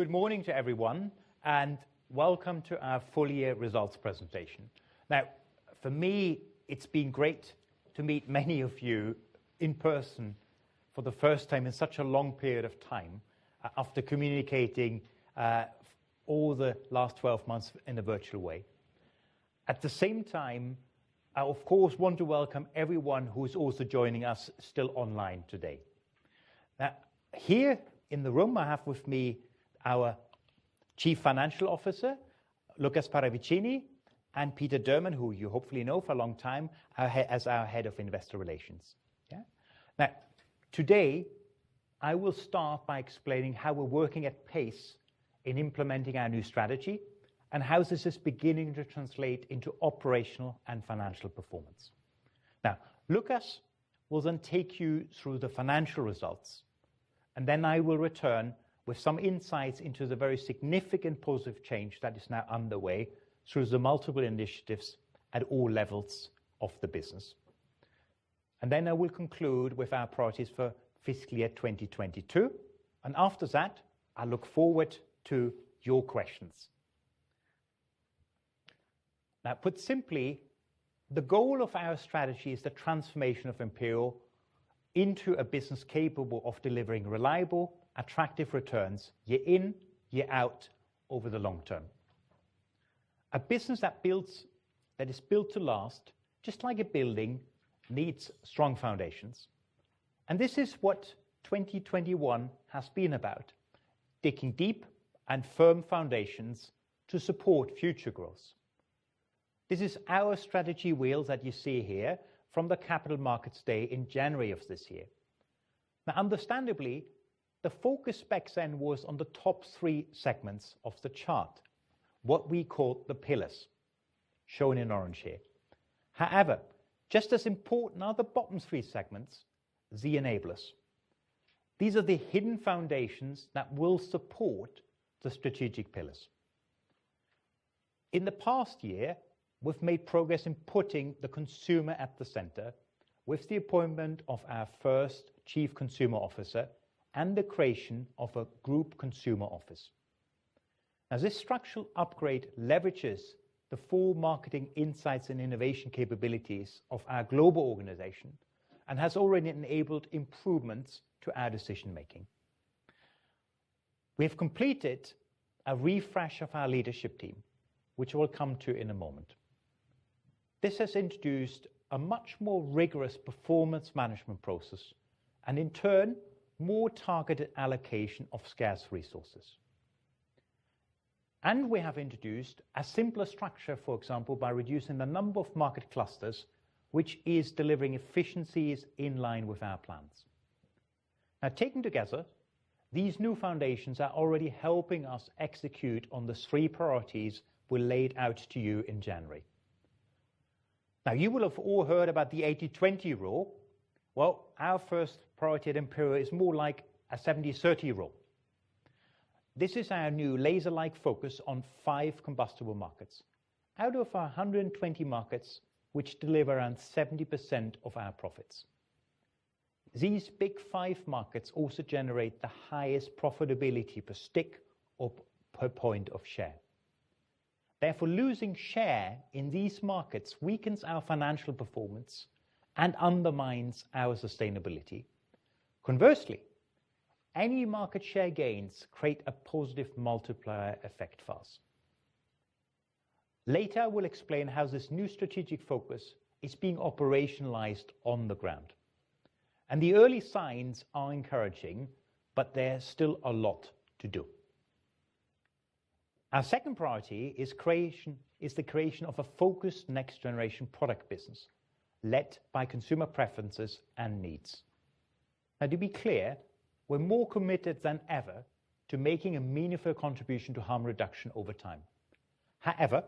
Good morning to everyone and welcome to our Full Year Results Presentation. For me, it's been great to meet many of you in person for the first time in such a long period of time, after communicating for all the last 12 months in a virtual way. At the same time, I of course want to welcome everyone who is also joining us still online today. Here in the room I have with me our Chief Financial Officer, Lukas Paravicini, and Peter Durman, who you hopefully know for a long time, as our Head of Investor Relations. Today, I will start by explaining how we're working at pace in implementing our new strategy and how this is beginning to translate into operational and financial performance. Now, Lukas will then take you through the financial results, and then I will return with some insights into the very significant positive change that is now underway through the multiple initiatives at all levels of the business. Then I will conclude with our priorities for fiscal year 2022, and after that, I look forward to your questions. Now, put simply, the goal of our strategy is the transformation of Imperial into a business capable of delivering reliable, attractive returns year in, year out over the long term. A business that is built to last, just like a building, needs strong foundations. This is what 2021 has been about, digging deep and firm foundations to support future growth. This is our strategy wheel that you see here from the Capital Markets Day in January of this year. Now, understandably, the focus back then was on the top three segments of the chart, what we call the pillars, shown in orange here. However, just as important are the bottom three segments, the enablers. These are the hidden foundations that will support the strategic pillars. In the past year, we've made progress in putting the consumer at the center with the appointment of our first Chief Consumer Officer and the creation of a Group Consumer Office. Now, this structural upgrade leverages the full marketing insights and innovation capabilities of our global organization and has already enabled improvements to our decision-making. We have completed a refresh of our leadership team, which we'll come to in a moment. This has introduced a much more rigorous performance management process and in turn, more targeted allocation of scarce resources. We have introduced a simpler structure, for example, by reducing the number of market clusters, which is delivering efficiencies in line with our plans. Taken together, these new foundations are already helping us execute on the three priorities we laid out to you in January. You will have all heard about the 80-20 rule. Well, our first priority at Imperial is more like a 70-30 rule. This is our new laser-like focus on five combustible markets out of our 120 markets which deliver around 70% of our profits. These big five markets also generate the highest profitability per stick or per point of share. Therefore, losing share in these markets weakens our financial performance and undermines our sustainability. Conversely, any market share gains create a positive multiplier effect for us. Later, we'll explain how this new strategic focus is being operationalized on the ground, and the early signs are encouraging, but there's still a lot to do. Our second priority is the creation of a focused next generation product business led by consumer preferences and needs. Now, to be clear, we're more committed than ever to making a meaningful contribution to harm reduction over time. However,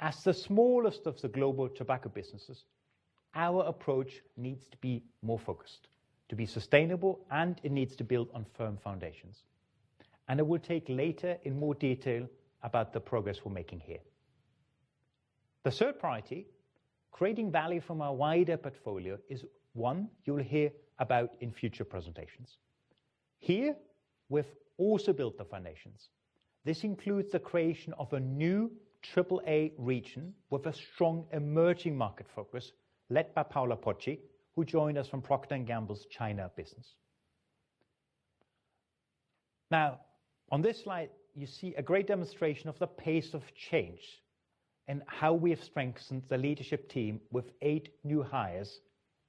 as the smallest of the global tobacco businesses, our approach needs to be more focused, to be sustainable, and it needs to build on firm foundations. I will talk later in more detail about the progress we're making here. The third priority, creating value from our wider portfolio, is one you will hear about in future presentations. Here, we've also built the foundations. This includes the creation of a new AAA region with a strong emerging market focus led by Paola Pocci, who joined us from Procter & Gamble's China business. Now, on this slide, you see a great demonstration of the pace of change and how we have strengthened the leadership team with eight new hires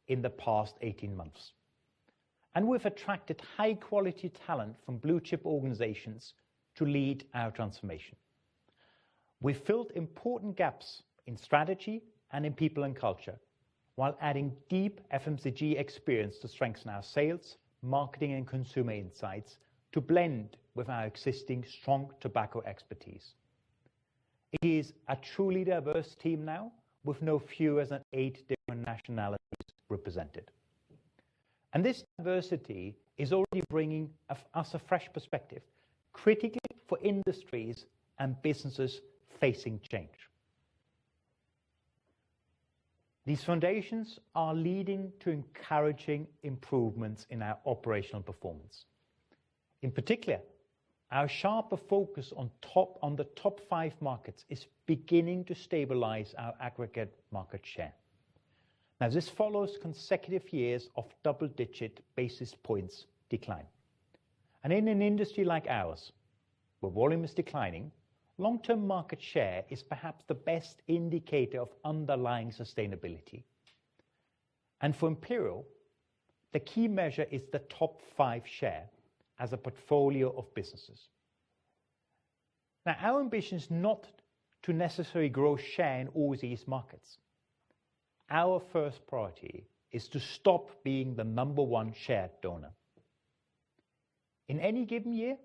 in the past 18 months. We've attracted high quality talent from blue chip organizations to lead our transformation. We filled important gaps in strategy and in people and culture while adding deep FMCG experience to strengthen our sales, marketing, and consumer insights to blend with our existing strong tobacco expertise. It is a truly diverse team now with no fewer than eight different nationalities represented. This diversity is already bringing us a fresh perspective, critically for industries and businesses facing change. These foundations are leading to encouraging improvements in our operational performance. In particular, our sharper focus on the top five markets is beginning to stabilize our aggregate market share. Now, this follows consecutive years of double-digit basis points decline. In an industry like ours, where volume is declining, long-term market share is perhaps the best indicator of underlying sustainability. For Imperial, the key measure is the top five share as a portfolio of businesses. Now, our ambition is not to necessarily grow share in all these markets. Our first priority is to stop being the number one share donor. In any given year,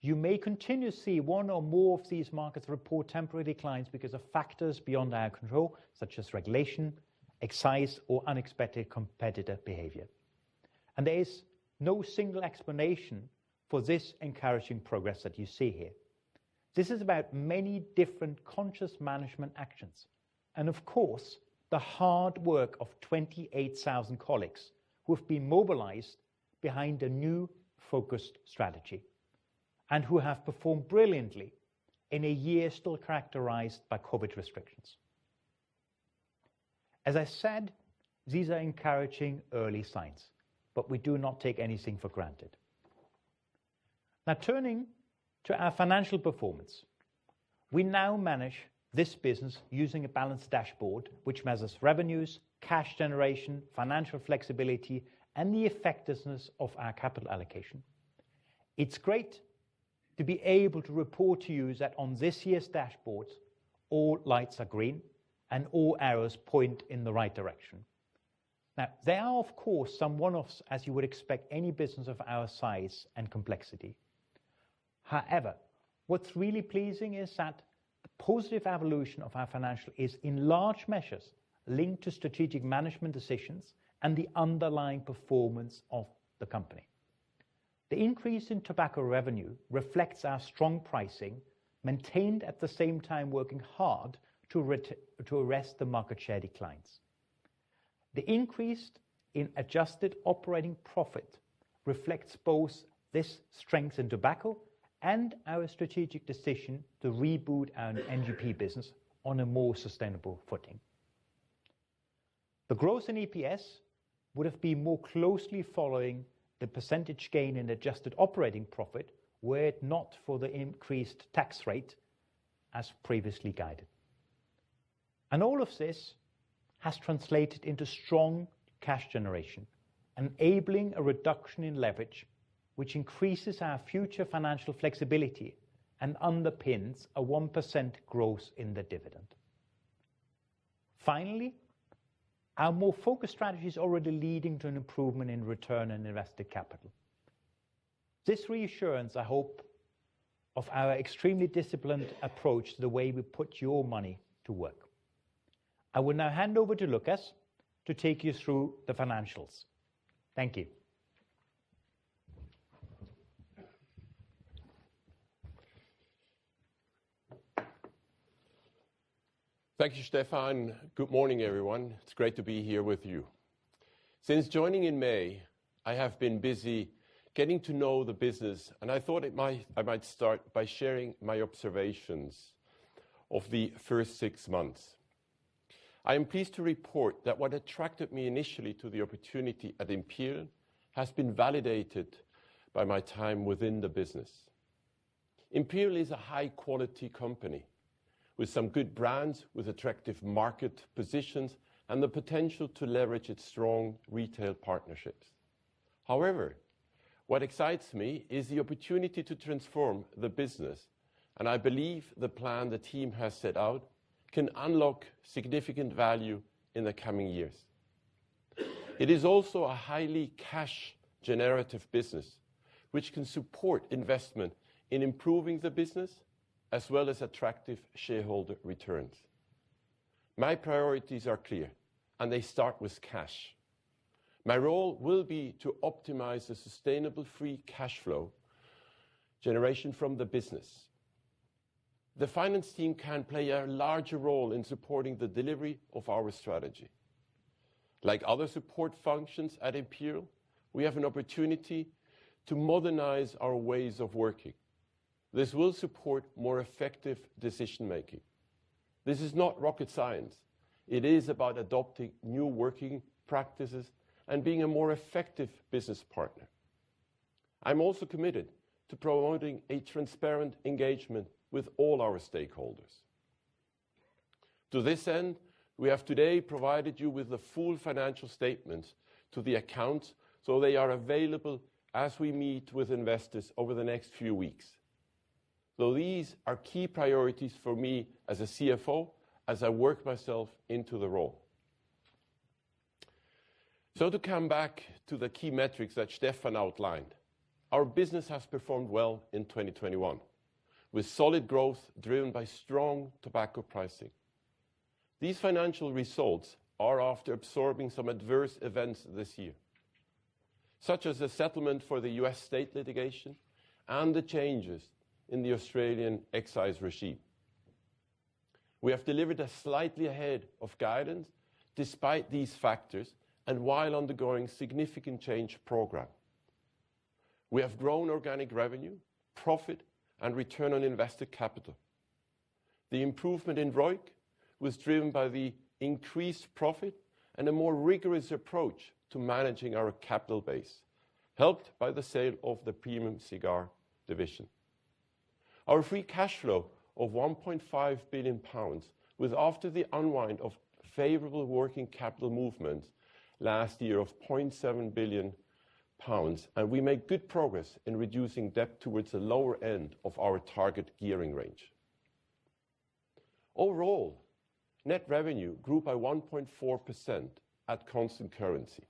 you may continue to see one or more of these markets report temporary declines because of factors beyond our control, such as regulation, excise, or unexpected competitor behavior. There is no single explanation for this encouraging progress that you see here. This is about many different conscious management actions. Of course, the hard work of 28,000 colleagues who have been mobilized behind a new focused strategy and who have performed brilliantly in a year still characterized by COVID restrictions. As I said, these are encouraging early signs, but we do not take anything for granted. Now turning to our financial performance. We now manage this business using a balanced dashboard, which measures revenues, cash generation, financial flexibility, and the effectiveness of our capital allocation. It's great to be able to report to you that on this year's dashboard, all lights are green and all arrows point in the right direction. Now, there are of course, some one-offs, as you would expect any business of our size and complexity. However, what's really pleasing is that the positive evolution of our financial is in large measures linked to strategic management decisions and the underlying performance of the company. The increase in tobacco revenue reflects our strong pricing, maintained at the same time working hard to arrest the market share declines. The increase in adjusted operating profit reflects both this strength in tobacco and our strategic decision to reboot our NGP business on a more sustainable footing. The growth in EPS would have been more closely following the percentage gain in adjusted operating profit were it not for the increased tax rate as previously guided. All of this has translated into strong cash generation, enabling a reduction in leverage, which increases our future financial flexibility and underpins a 1% growth in the dividend. Finally, our more focused strategy is already leading to an improvement in return on invested capital. This reassurance, I hope, of our extremely disciplined approach to the way we put your money to work. I will now hand over to Lukas to take you through the financials. Thank you. Thank you, Stefan. Good morning, everyone. It's great to be here with you. Since joining in May, I have been busy getting to know the business, and I might start by sharing my observations of the first six months. I am pleased to report that what attracted me initially to the opportunity at Imperial has been validated by my time within the business. Imperial is a high-quality company with some good brands, with attractive market positions, and the potential to leverage its strong retail partnerships. However, what excites me is the opportunity to transform the business, and I believe the plan the team has set out can unlock significant value in the coming years. It is also a highly cash generative business, which can support investment in improving the business as well as attractive shareholder returns. My priorities are clear, and they start with cash. My role will be to optimize the sustainable free cash flow generation from the business. The finance team can play a larger role in supporting the delivery of our strategy. Like other support functions at Imperial, we have an opportunity to modernize our ways of working. This will support more effective decision-making. This is not rocket science. It is about adopting new working practices and being a more effective business partner. I'm also committed to promoting a transparent engagement with all our stakeholders. To this end, we have today provided you with the full financial statements to the accounts, so they are available as we meet with investors over the next few weeks. These are key priorities for me as a CFO, as I work myself into the role. To come back to the key metrics that Stefan outlined, our business has performed well in 2021, with solid growth driven by strong tobacco pricing. These financial results are after absorbing some adverse events this year. Such as the settlement for the U.S. state litigation and the changes in the Australian excise regime. We have delivered slightly ahead of guidance despite these factors and while undergoing significant change program. We have grown organic revenue, profit, and return on invested capital. The improvement in ROIC was driven by the increased profit and a more rigorous approach to managing our capital base, helped by the sale of the Premium Cigar Division. Our free cash flow of 1.5 billion pounds was after the unwind of favorable working capital movement last year of 0.7 billion pounds, and we made good progress in reducing debt towards the lower end of our target gearing range. Overall, net revenue grew by 1.4% at constant currency.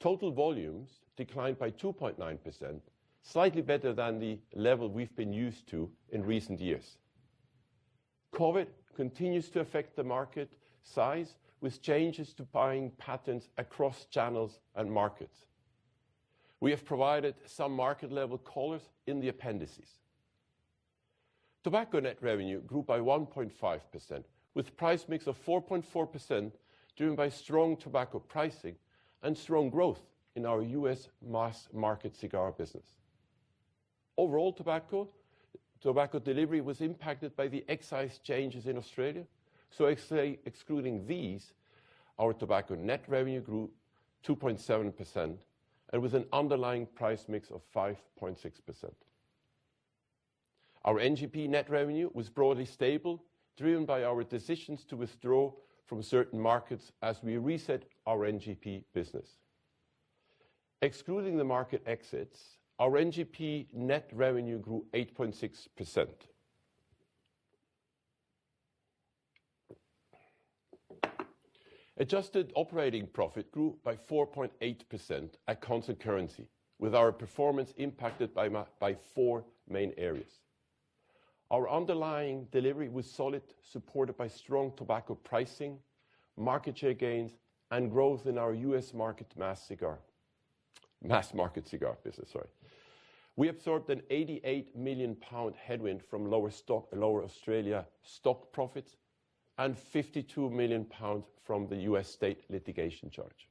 Total volumes declined by 2.9%, slightly better than the level we've been used to in recent years. COVID continues to affect the market size with changes to buying patterns across channels and markets. We have provided some market-level color in the appendices. Tobacco net revenue grew by 1.5%, with price mix of 4.4% driven by strong tobacco pricing and strong growth in our U.S. mass market cigar business. Overall, tobacco delivery was impacted by the excise changes in Australia. Excluding these, our tobacco net revenue grew 2.7% with an underlying price mix of 5.6%. Our NGP net revenue was broadly stable, driven by our decisions to withdraw from certain markets as we reset our NGP business. Excluding the market exits, our NGP net revenue grew 8.6%. Adjusted operating profit grew by 4.8% at constant currency, with our performance impacted by four main areas. Our underlying delivery was solid, supported by strong tobacco pricing, market share gains, and growth in our U.S. mass market cigar business. We absorbed an 88 million pound headwind from lower Australia stock profits, and 52 million pounds from the U.S. state litigation charge.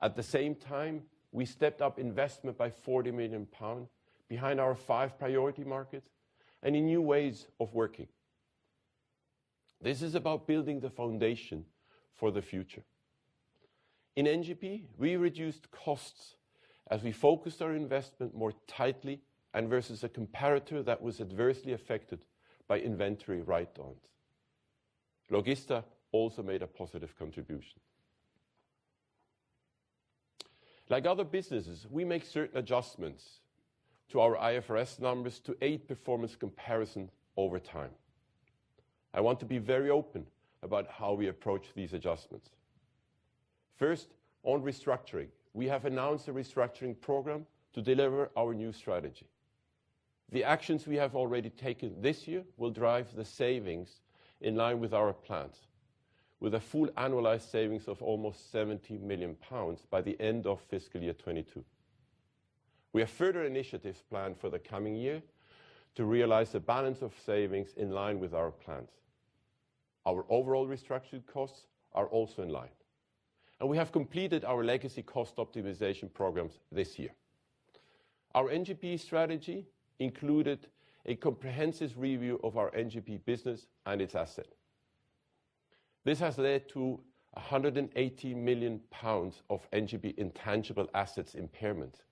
At the same time, we stepped up investment by 40 million pounds behind our five priority markets and in new ways of working. This is about building the foundation for the future. In NGP, we reduced costs as we focused our investment more tightly and versus a comparator that was adversely affected by inventory write-downs. Logista also made a positive contribution. Like other businesses, we make certain adjustments to our IFRS numbers to aid performance comparison over time. I want to be very open about how we approach these adjustments. First, on restructuring, we have announced a restructuring program to deliver our new strategy. The actions we have already taken this year will drive the savings in line with our plans, with a full annualized savings of almost 70 million pounds by the end of fiscal year 2022. We have further initiatives planned for the coming year to realize the balance of savings in line with our plans. Our overall restructure costs are also in line, and we have completed our legacy cost optimization programs this year. Our NGP strategy included a comprehensive review of our NGP business and its asset. This has led to 180 million pounds of NGP intangible assets impairment,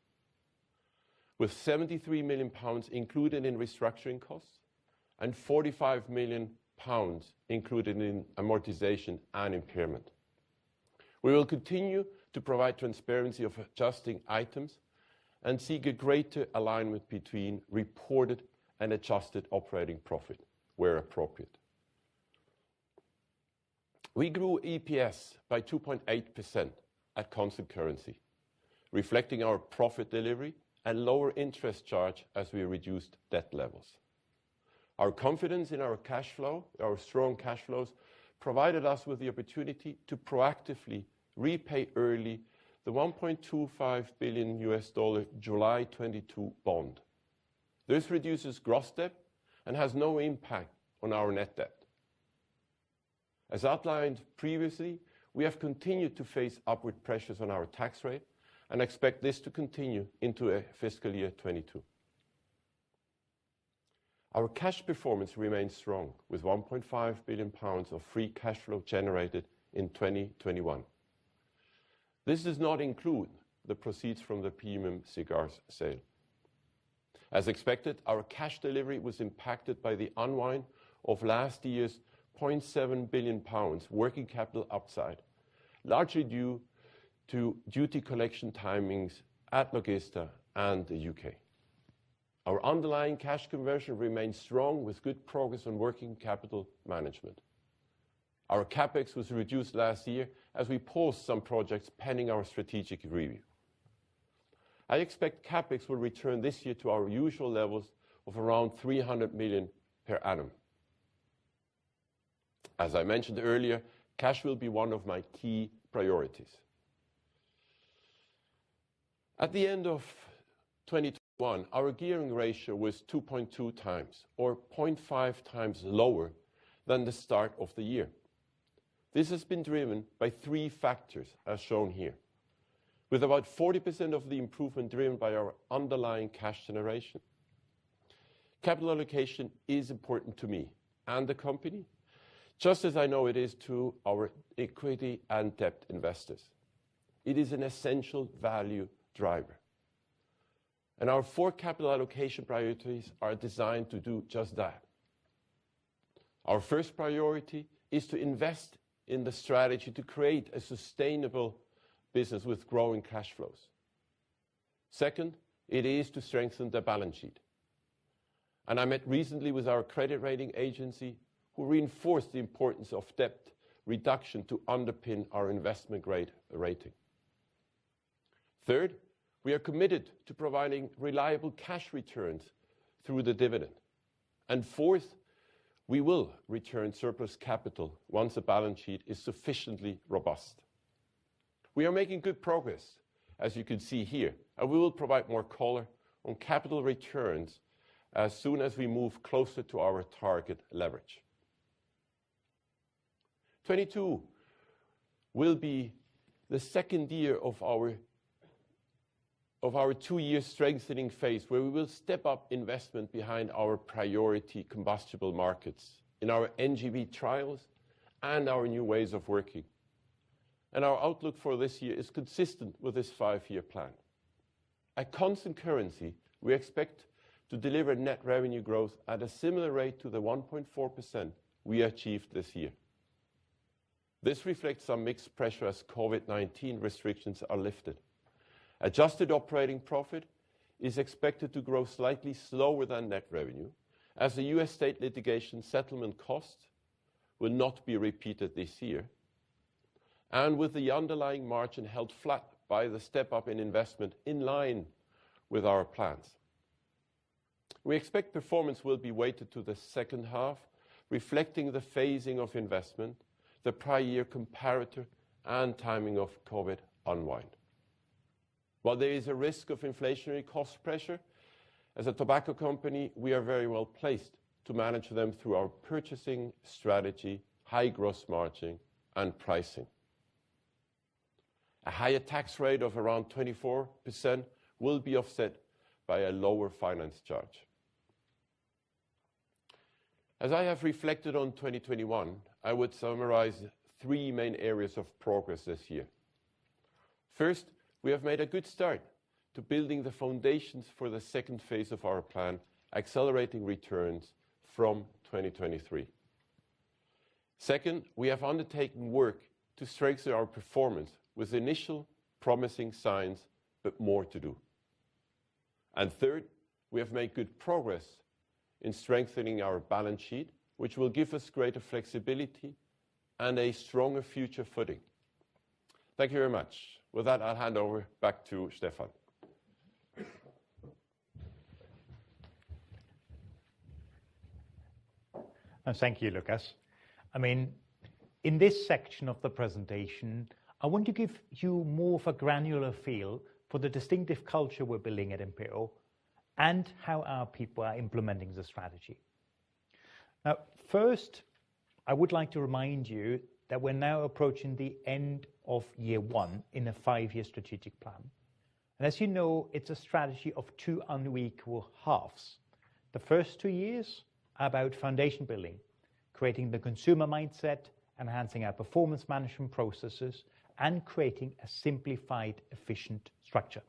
with 73 million pounds included in restructuring costs and 45 million pounds included in amortization and impairment. We will continue to provide transparency of adjusting items and seek a greater alignment between reported and adjusted operating profit where appropriate. We grew EPS by 2.8% at constant currency, reflecting our profit delivery and lower interest charge as we reduced debt levels. Our confidence in our cash flow, our strong cash flows, provided us with the opportunity to proactively repay early the $1.25 billion July 2022 bond. This reduces gross debt and has no impact on our net debt. As outlined previously, we have continued to face upward pressures on our tax rate and expect this to continue into fiscal year 2022. Our cash performance remains strong with 1.5 billion pounds of free cash flow generated in 2021. This does not include the proceeds from the Premium Cigar sale. As expected, our cash delivery was impacted by the unwind of last year's 0.7 billion pounds working capital upside, largely due to duty collection timings at Logista and the U.K. Our underlying cash conversion remains strong with good progress on working capital management. Our CapEx was reduced last year as we paused some projects pending our strategic review. I expect CapEx will return this year to our usual levels of around 300 million per annum. As I mentioned earlier, cash will be one of my key priorities. At the end of 2021, our gearing ratio was 2.2 times or 0.5 times lower than the start of the year. This has been driven by three factors as shown here, with about 40% of the improvement driven by our underlying cash generation. Capital allocation is important to me and the company, just as I know it is to our equity and debt investors. It is an essential value driver, and our four capital allocation priorities are designed to do just that. Our first priority is to invest in the strategy to create a sustainable business with growing cash flows. Second, it is to strengthen the balance sheet, and I met recently with our credit rating agency who reinforced the importance of debt reduction to underpin our investment grade rating. Third, we are committed to providing reliable cash returns through the dividend. Fourth, we will return surplus capital once the balance sheet is sufficiently robust. We are making good progress, as you can see here, and we will provide more color on capital returns as soon as we move closer to our target leverage. 22 will be the second year of our two-year strengthening phase, where we will step up investment behind our priority combustible markets in our NGP trials and our new ways of working. Our outlook for this year is consistent with this five-year plan. At constant currency, we expect to deliver net revenue growth at a similar rate to the 1.4% we achieved this year. This reflects some mixed pressure as COVID-19 restrictions are lifted. Adjusted operating profit is expected to grow slightly slower than net revenue as the U.S. state litigation settlement cost will not be repeated this year and with the underlying margin held flat by the step-up in investment in line with our plans. We expect performance will be weighted to the second half, reflecting the phasing of investment, the prior year comparator, and timing of COVID unwind. While there is a risk of inflationary cost pressure, as a tobacco company, we are very well placed to manage them through our purchasing strategy, high gross margin, and pricing. A higher tax rate of around 24% will be offset by a lower finance charge. As I have reflected on 2021, I would summarize three main areas of progress this year. First, we have made a good start to building the foundations for the second phase of our plan, accelerating returns from 2023. Second, we have undertaken work to strengthen our performance with initial promising signs, but more to do. Third, we have made good progress in strengthening our balance sheet, which will give us greater flexibility and a stronger future footing. Thank you very much. With that, I'll hand over back to Stefan. Thank you, Lukas. I mean, in this section of the presentation, I want to give you more of a granular feel for the distinctive culture we're building at Imperial and how our people are implementing the strategy. Now, first, I would like to remind you that we're now approaching the end of year 1 in a 5-year strategic plan. As you know, it's a strategy of 2 unequal halves. The first 2 years are about foundation building, creating the consumer mindset, enhancing our performance management processes, and creating a simplified, efficient structure.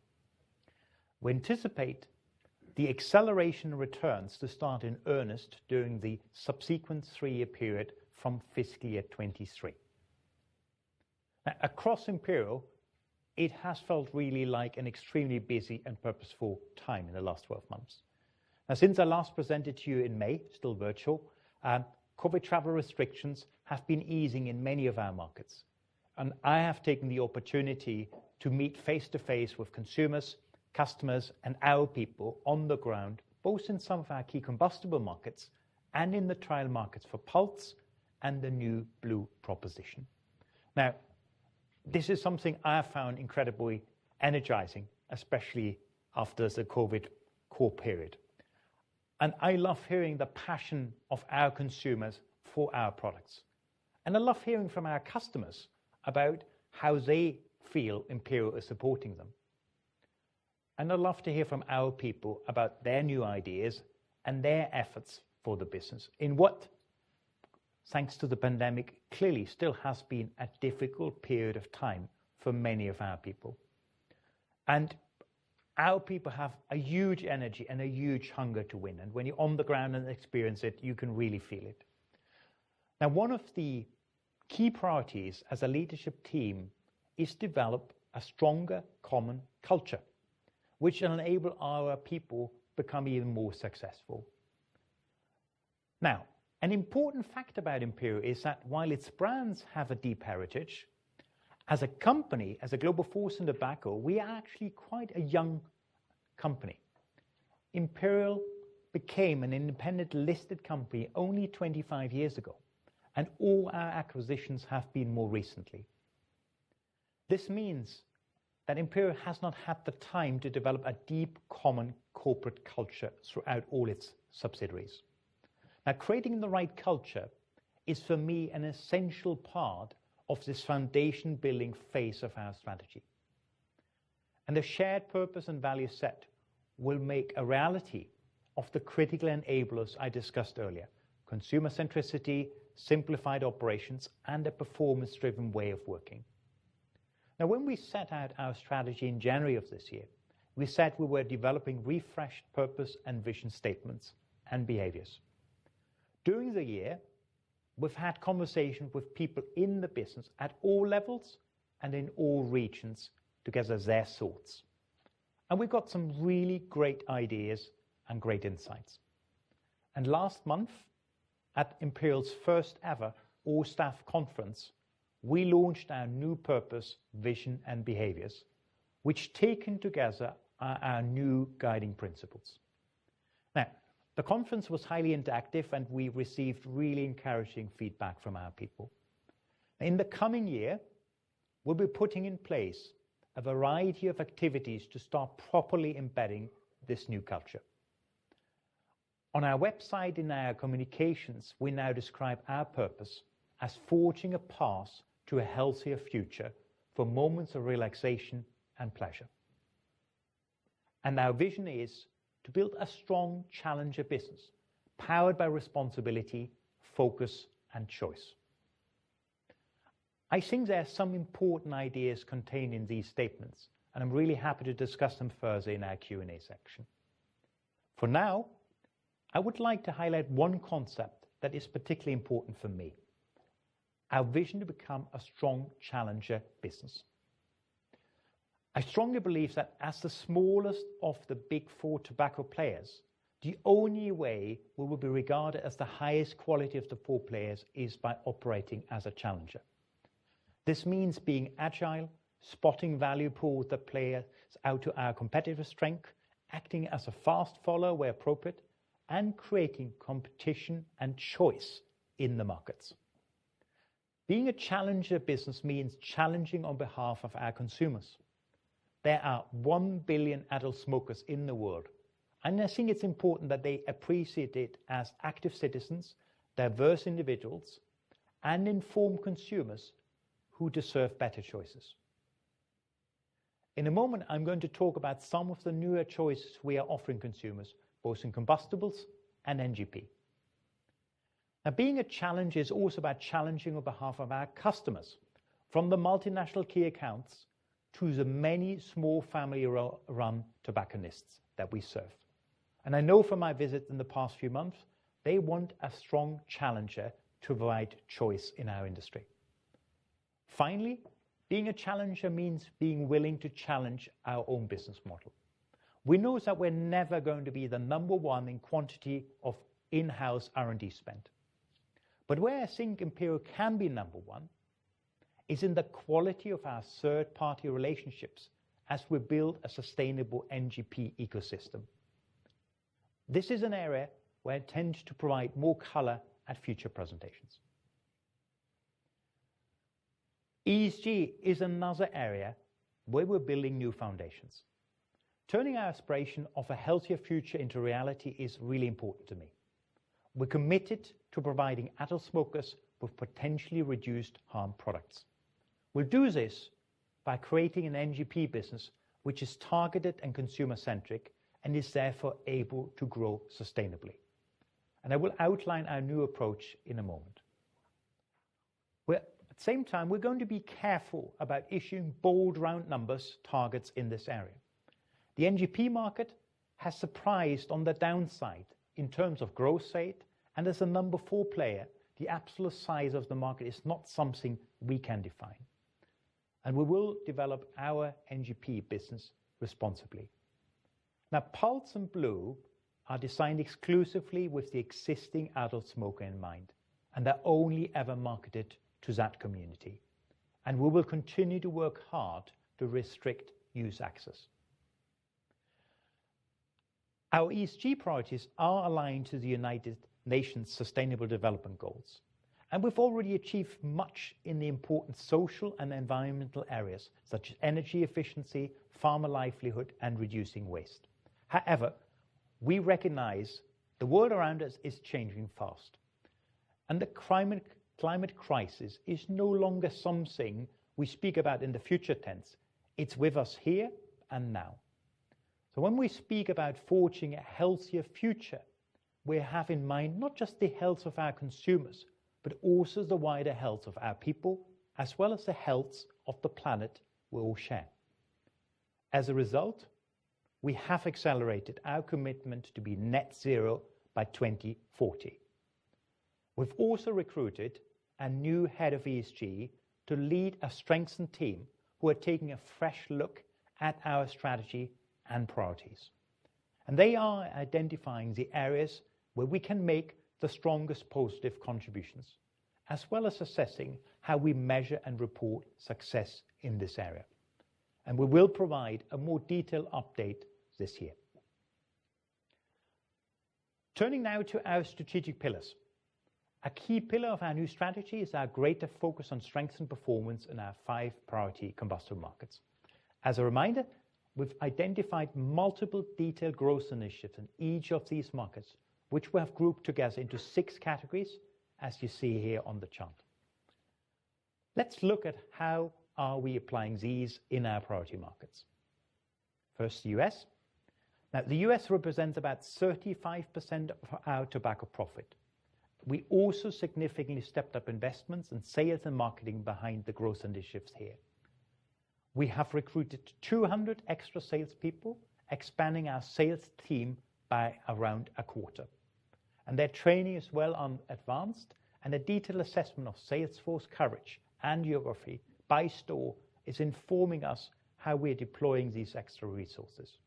We anticipate the acceleration returns to start in earnest during the subsequent 3-year period from fiscal year 2023. Across Imperial, it has felt really like an extremely busy and purposeful time in the last 12 months. Now, since I last presented to you in May, still virtual, COVID travel restrictions have been easing in many of our markets, and I have taken the opportunity to meet face to face with consumers, customers, and our people on the ground, both in some of our key combustible markets and in the trial markets for Pulze and the new blu proposition. Now, this is something I have found incredibly energizing, especially after the COVID core period. I love hearing the passion of our consumers for our products. I love hearing from our customers about how they feel Imperial is supporting them. I love to hear from our people about their new ideas and their efforts for the business in what, thanks to the pandemic, clearly still has been a difficult period of time for many of our people. Our people have a huge energy and a huge hunger to win. When you're on the ground and experience it, you can really feel it. Now, one of the key priorities as a leadership team is develop a stronger common culture, which will enable our people become even more successful. Now, an important fact about Imperial is that while its brands have a deep heritage, as a company, as a global force in tobacco, we are actually quite a young company. Imperial became an independent listed company only 25 years ago, and all our acquisitions have been more recently. This means that Imperial has not had the time to develop a deep common corporate culture throughout all its subsidiaries. Creating the right culture is, for me, an essential part of this foundation-building phase of our strategy, and a shared purpose and value set will make a reality of the critical enablers I discussed earlier, consumer centricity, simplified operations, and a performance-driven way of working. When we set out our strategy in January of this year, we said we were developing refreshed purpose and vision statements and behaviors. During the year, we've had conversations with people in the business at all levels and in all regions to gather their thoughts, and we got some really great ideas and great insights. Last month at Imperial's first ever all-staff conference, we launched our new purpose, vision, and behaviors, which taken together are our new guiding principles. The conference was highly interactive, and we received really encouraging feedback from our people. In the coming year, we'll be putting in place a variety of activities to start properly embedding this new culture. On our website in our communications, we now describe our purpose as forging a path to a healthier future for moments of relaxation and pleasure. Our vision is to build a strong challenger business powered by responsibility, focus, and choice. I think there are some important ideas contained in these statements, and I'm really happy to discuss them further in our Q&A section. For now, I would like to highlight one concept that is particularly important for me, our vision to become a strong challenger business. I strongly believe that as the smallest of the big four tobacco players, the only way we will be regarded as the highest quality of the four players is by operating as a challenger. This means being agile, spotting value pools with the players out to our competitive strengths, acting as a fast follower where appropriate, and creating competition and choice in the markets. Being a challenger business means challenging on behalf of our consumers. There are 1 billion adult smokers in the world, and I think it's important that they are appreciated as active citizens, diverse individuals, and informed consumers who deserve better choices. In a moment, I'm going to talk about some of the newer choices we are offering consumers, both in combustibles and NGP. Now, being a challenger is also about challenging on behalf of our customers from the multinational key accounts to the many small family-run tobacconists that we serve. I know from my visits in the past few months, they want a strong challenger to provide choice in our industry. Finally, being a challenger means being willing to challenge our own business model. We know that we're never going to be the number one in quantity of in-house R&D spend. Where I think Imperial can be number one is in the quality of our third-party relationships as we build a sustainable NGP ecosystem. This is an area where I intend to provide more color at future presentations. ESG is another area where we're building new foundations. Turning our aspiration of a healthier future into reality is really important to me. We're committed to providing adult smokers with potentially reduced harm products. We'll do this by creating an NGP business which is targeted and consumer-centric and is therefore able to grow sustainably. I will outline our new approach in a moment. At the same time, we're going to be careful about issuing bold round numbers targets in this area. The NGP market has surprised on the downside in terms of growth rate and as a number four player, the absolute size of the market is not something we can define, and we will develop our NGP business responsibly. Now, Pulze and blu are designed exclusively with the existing adult smoker in mind, and they're only ever marketed to that community, and we will continue to work hard to restrict use access. Our ESG priorities are aligned to the United Nations Sustainable Development Goals, and we've already achieved much in the important social and environmental areas such as energy efficiency, farmer livelihood, and reducing waste. However, we recognize the world around us is changing fast, and the climate crisis is no longer something we speak about in the future tense. It's with us here and now. When we speak about forging a healthier future, we have in mind not just the health of our consumers, but also the wider health of our people, as well as the health of the planet we all share. As a result, we have accelerated our commitment to be net zero by 2040. We've also recruited a new Head of ESG to lead a strengthened team who are taking a fresh look at our strategy and priorities. They are identifying the areas where we can make the strongest positive contributions, as well as assessing how we measure and report success in this area. We will provide a more detailed update this year. Turning now to our strategic pillars. A key pillar of our new strategy is our greater focus on strength and performance in our five priority combustible markets. As a reminder, we've identified multiple detailed growth initiatives in each of these markets, which we have grouped together into six categories, as you see here on the chart. Let's look at how are we applying these in our priority markets. First, U.S. Now, the U.S. represents about 35% of our tobacco profit. We also significantly stepped up investments in sales and marketing behind the growth initiatives here. We have recruited 200 extra salespeople, expanding our sales team by around a quarter, and their training is well advanced, and a detailed assessment of sales force coverage and geography by store is informing us how we're deploying these extra resources.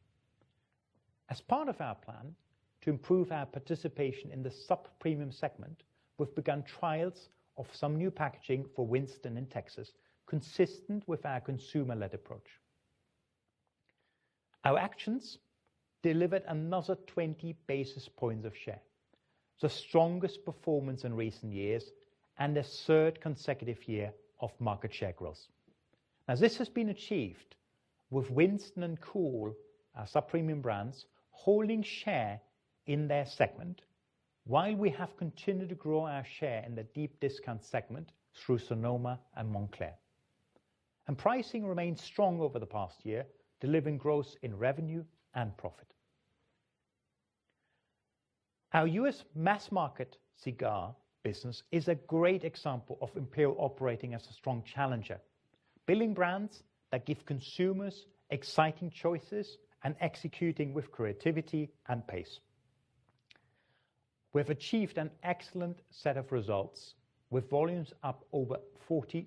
As part of our plan to improve our participation in the sub-premium segment, we've begun trials of some new packaging for Winston in Texas, consistent with our consumer-led approach. Our actions delivered another 20 basis points of share, the strongest performance in recent years and a third consecutive year of market share growth. Now, this has been achieved with Winston and Kool, our sub-premium brands, holding share in their segment, while we have continued to grow our share in the deep discount segment through Sonoma and Montclair. Pricing remains strong over the past year, delivering growth in revenue and profit. Our U.S. mass market cigar business is a great example of Imperial operating as a strong challenger, building brands that give consumers exciting choices and executing with creativity and pace. We have achieved an excellent set of results, with volumes up over 45%.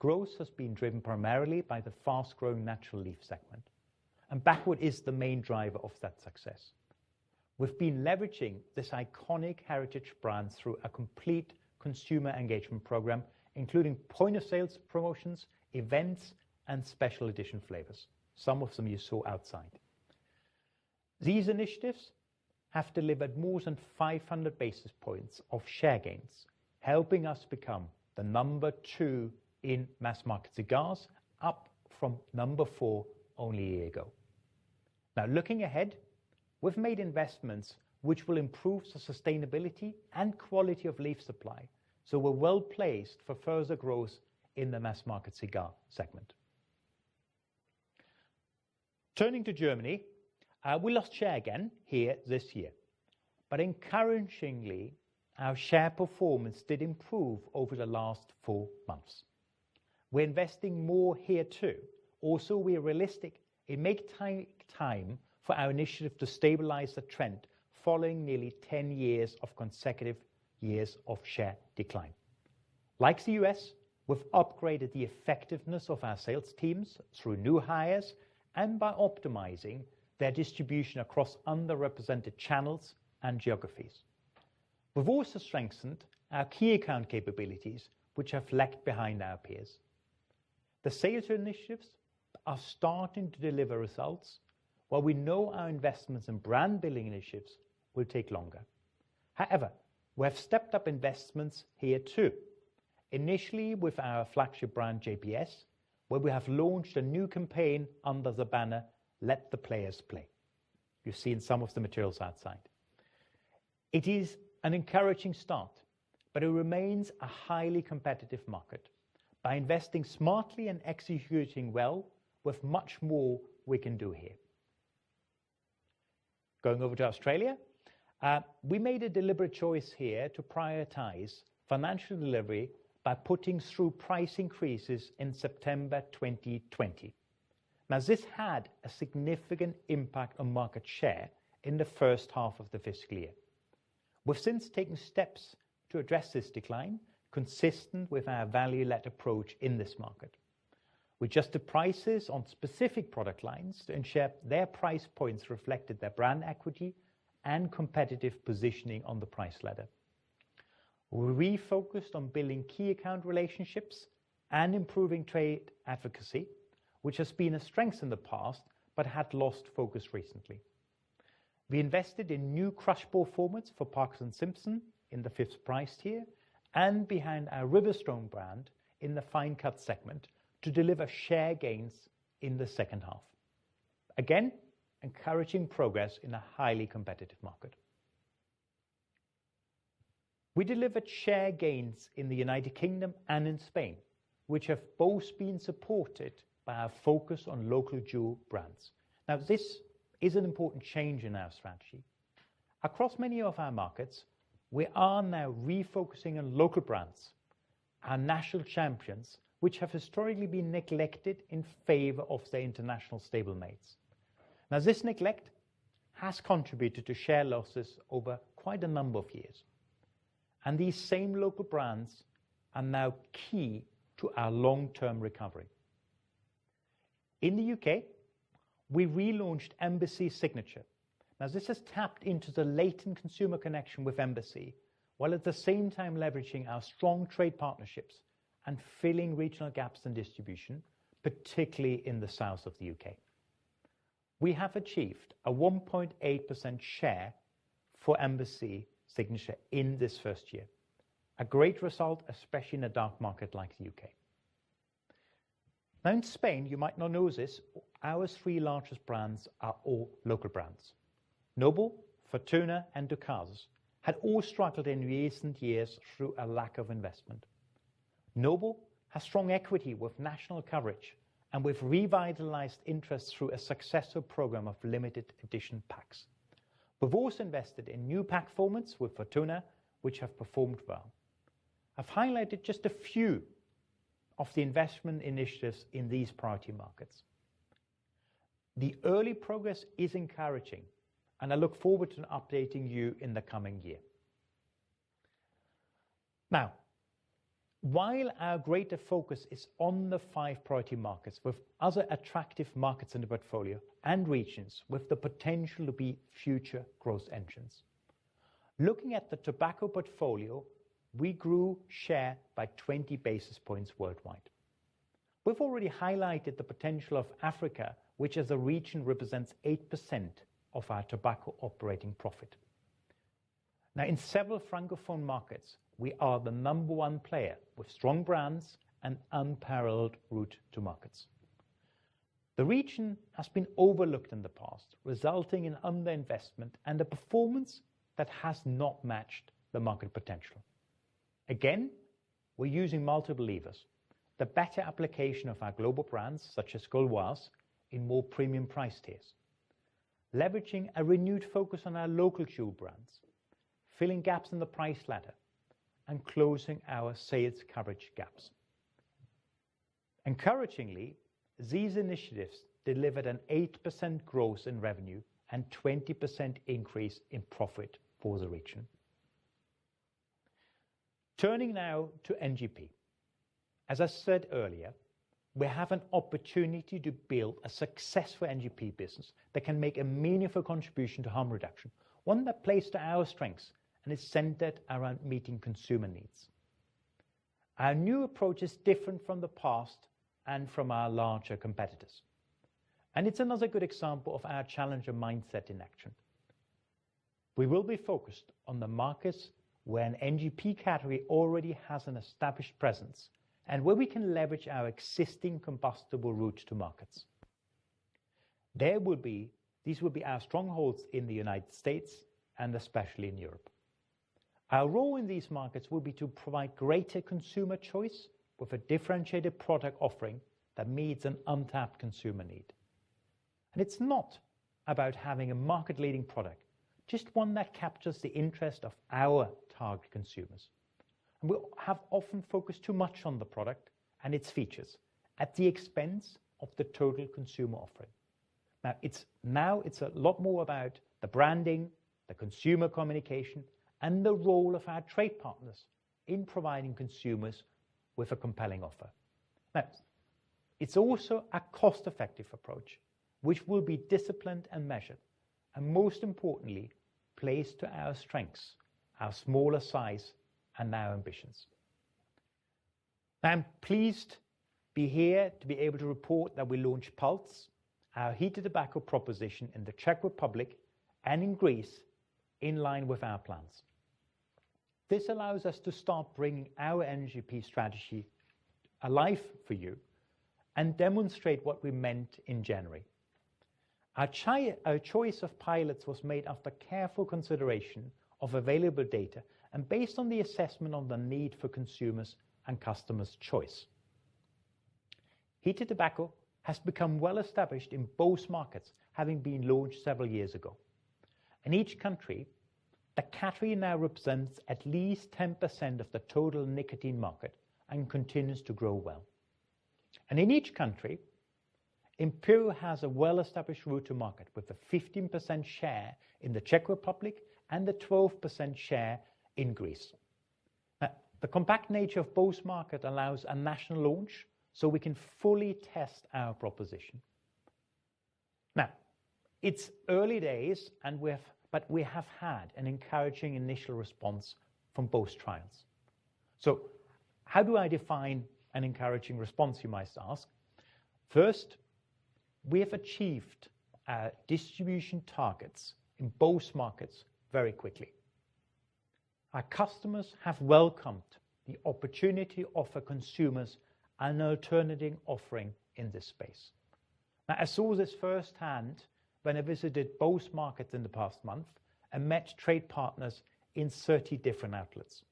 Growth has been driven primarily by the fast-growing natural leaf segment, and Backwoods is the main driver of that success. We've been leveraging this iconic heritage brand through a complete consumer engagement program, including point of sales promotions, events, and special edition flavors. Some of them you saw outside. These initiatives have delivered more than 500 basis points of share gains, helping us become the number 2 in mass market cigars, up from number 4 only a year ago. Now, looking ahead, we've made investments which will improve the sustainability and quality of leaf supply, so we're well-placed for further growth in the mass market cigar segment. Turning to Germany, we lost share again here this year, but encouragingly, our share performance did improve over the last 4 months. We're investing more here too. Also, we are realistic it may take time for our initiative to stabilize the trend following nearly 10 years of consecutive years of share decline. Like the U.S., we've upgraded the effectiveness of our sales teams through new hires and by optimizing their distribution across underrepresented channels and geographies. We've also strengthened our key account capabilities, which have lagged behind our peers. The sales initiatives are starting to deliver results, while we know our investments in brand-building initiatives will take longer. However, we have stepped up investments here too, initially with our flagship brand JPS, where we have launched a new campaign under the banner Let the Players Play. You've seen some of the materials outside. It is an encouraging start, but it remains a highly competitive market. By investing smartly and executing well with much more we can do here. Going over to Australia. We made a deliberate choice here to prioritize financial delivery by putting through price increases in September 2020. Now, this had a significant impact on market share in the first half of the fiscal year. We've since taken steps to address this decline, consistent with our value-led approach in this market. We adjusted prices on specific product lines to ensure their price points reflected their brand equity and competitive positioning on the price ladder. We refocused on building key account relationships and improving trade advocacy, which has been a strength in the past but had lost focus recently. We invested in new crushball formats for Parker & Simpson in the fifth price tier and behind our Riverstone brand in the fine cut segment to deliver share gains in the second half. Again, encouraging progress in a highly competitive market. We delivered share gains in the United Kingdom and in Spain, which have both been supported by our focus on local jewel brands. This is an important change in our strategy. Across many of our markets, we are now refocusing on local brands, our national champions, which have historically been neglected in favor of their international stablemates. This neglect has contributed to share losses over quite a number of years, and these same local brands are now key to our long-term recovery. In the U.K., we relaunched Embassy Signature. This has tapped into the latent consumer connection with Embassy. While at the same time leveraging our strong trade partnerships and filling regional gaps in distribution, particularly in the south of the U.K. We have achieved a 1.8% share for Embassy Signature in this first year. A great result, especially in a dark market like the U.K. In Spain, you might not know this, our three largest brands are all local brands. Nobel, Fortuna, and Ducados had all struggled in recent years through a lack of investment. Nobel has strong equity with national coverage and with revitalized interest through a successful program of limited edition packs. We've also invested in new pack formats with Fortuna, which have performed well. I've highlighted just a few of the investment initiatives in these priority markets. The early progress is encouraging, and I look forward to updating you in the coming year. Our greater focus is on the five priority markets with other attractive markets in the portfolio and regions with the potential to be future growth engines. Looking at the tobacco portfolio, we grew share by 20 basis points worldwide. We've already highlighted the potential of Africa, which as a region represents 8% of our tobacco operating profit. Now in several Francophone markets, we are the number one player with strong brands and unparalleled route to markets. The region has been overlooked in the past, resulting in underinvestment and a performance that has not matched the market potential. We're using multiple levers. The better application of our global brands, such as Gauloises, in more premium price tiers, leveraging a renewed focus on our local chew brands, filling gaps in the price ladder, and closing our sales coverage gaps. Encouragingly, these initiatives delivered an 8% growth in revenue and 20% increase in profit for the region. Turning now to NGP. As I said earlier, we have an opportunity to build a successful NGP business that can make a meaningful contribution to harm reduction, one that plays to our strengths and is centered around meeting consumer needs. Our new approach is different from the past and from our larger competitors, and it's another good example of our challenger mindset in action. We will be focused on the markets where an NGP category already has an established presence and where we can leverage our existing combustible route to markets. These will be our strongholds in the United States and especially in Europe. Our role in these markets will be to provide greater consumer choice with a differentiated product offering that meets an untapped consumer need. It's not about having a market-leading product, just one that captures the interest of our target consumers. We have often focused too much on the product and its features at the expense of the total consumer offering. Now, it's a lot more about the branding, the consumer communication, and the role of our trade partners in providing consumers with a compelling offer. It's also a cost-effective approach which will be disciplined and measured, and most importantly, plays to our strengths, our smaller size, and our ambitions. I am pleased to be here to be able to report that we launched Pulze, our heated tobacco proposition, in the Czech Republic and in Greece in line with our plans. This allows us to start bringing our NGP strategy alive for you and demonstrate what we meant in January. Our choice of pilots was made after careful consideration of available data and based on the assessment of the need for consumers and customers' choice. Heated tobacco has become well established in both markets, having been launched several years ago. In each country, the category now represents at least 10% of the total nicotine market and continues to grow well. In each country, Imperial has a well-established route to market, with a 15% share in the Czech Republic and a 12% share in Greece. The compact nature of both markets allows a national launch, so we can fully test our proposition. It's early days, and we have had an encouraging initial response from both trials. How do I define an encouraging response, you might ask? First, we have achieved our distribution targets in both markets very quickly. Our customers have welcomed the opportunity to offer consumers an alternative offering in this space. I saw this firsthand when I visited both markets in the past month and met trade partners in 30 different outlets.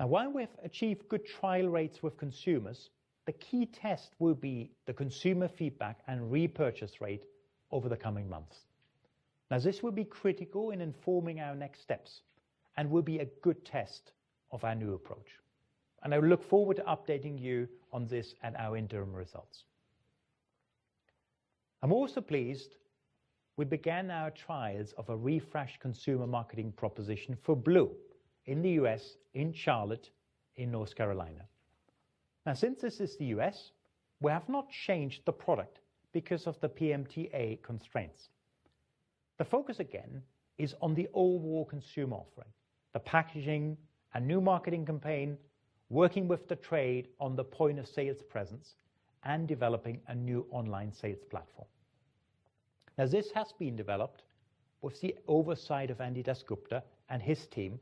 Now while we have achieved good trial rates with consumers, the key test will be the consumer feedback and repurchase rate over the coming months. Now, this will be critical in informing our next steps and will be a good test of our new approach. I look forward to updating you on this and our interim results. I'm also pleased we began our trials of a refreshed consumer marketing proposition for blu in the U.S., in Charlotte, in North Carolina. Now, since this is the U.S., we have not changed the product because of the PMTA constraints. The focus again is on the overall consumer offering, the packaging, a new marketing campaign, working with the trade on the point of sales presence, and developing a new online sales platform. Now, this has been developed with the oversight of Anindya Dasgupta and his team,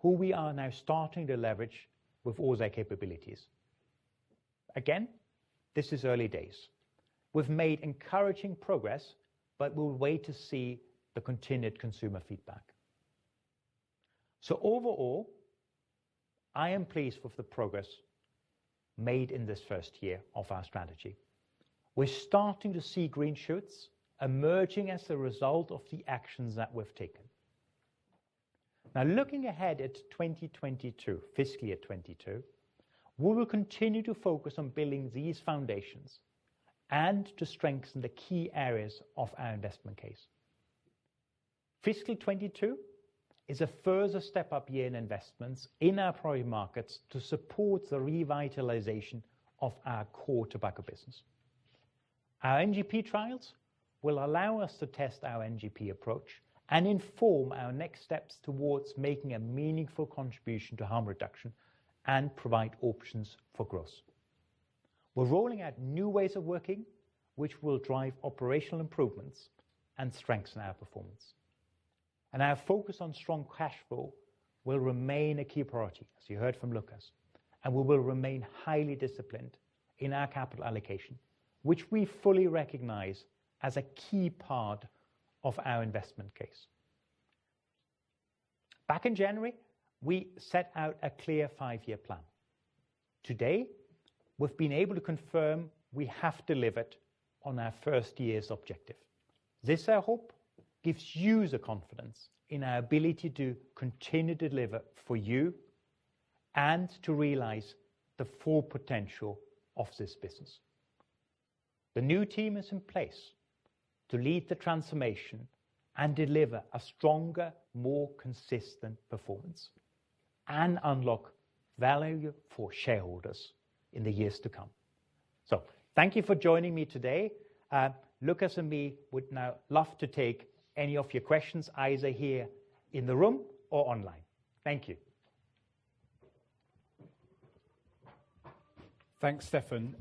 who we are now starting to leverage with all their capabilities. Again, this is early days. We've made encouraging progress, but we'll wait to see the continued consumer feedback. Overall, I am pleased with the progress made in this first year of our strategy. We're starting to see green shoots emerging as a result of the actions that we've taken. Now looking ahead at 2022, fiscal year 2022, we will continue to focus on building these foundations and to strengthen the key areas of our investment case. Fiscal 2022 is a further step up year in investments in our priority markets to support the revitalization of our core tobacco business. Our NGP trials will allow us to test our NGP approach and inform our next steps towards making a meaningful contribution to harm reduction and provide options for growth. We're rolling out new ways of working, which will drive operational improvements and strengthen our performance. Our focus on strong cash flow will remain a key priority, as you heard from Lukas, and we will remain highly disciplined in our capital allocation, which we fully recognize as a key part of our investment case. Back in January, we set out a clear five-year plan. Today, we've been able to confirm we have delivered on our first year's objective. This, I hope, gives you the confidence in our ability to continue to deliver for you and to realize the full potential of this business. The new team is in place to lead the transformation and deliver a stronger, more consistent performance and unlock value for shareholders in the years to come. Thank you for joining me today. Lukas and me would now love to take any of your questions, either here in the room or online. Thank you. Thanks, Stefan.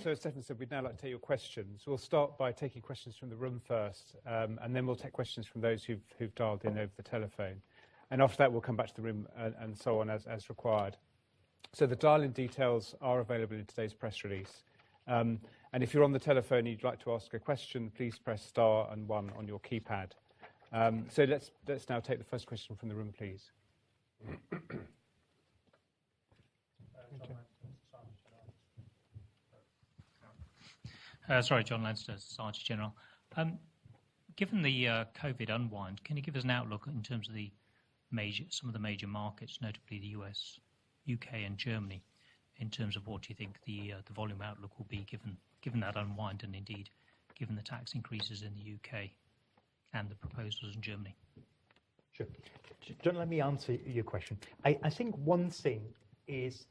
Stefan said we'd now like to take your questions. We'll start by taking questions from the room first, and then we'll take questions from those who've dialed in over the telephone. After that, we'll come back to the room and so on as required. The dial-in details are available in today's press release. If you're on the telephone and you'd like to ask a question, please press star and one on your keypad. Let's now take the first question from the room, please. Sorry, Jonathan Leinster, Société Générale. Given the COVID unwind, can you give us an outlook in terms of some of the major markets, notably the U.S., U.K., and Germany, in terms of what you think the volume outlook will be given that unwind, and indeed given the tax increases in the U.K. and the proposals in Germany? Sure. Jonathan let me answer your question. I think one thing is,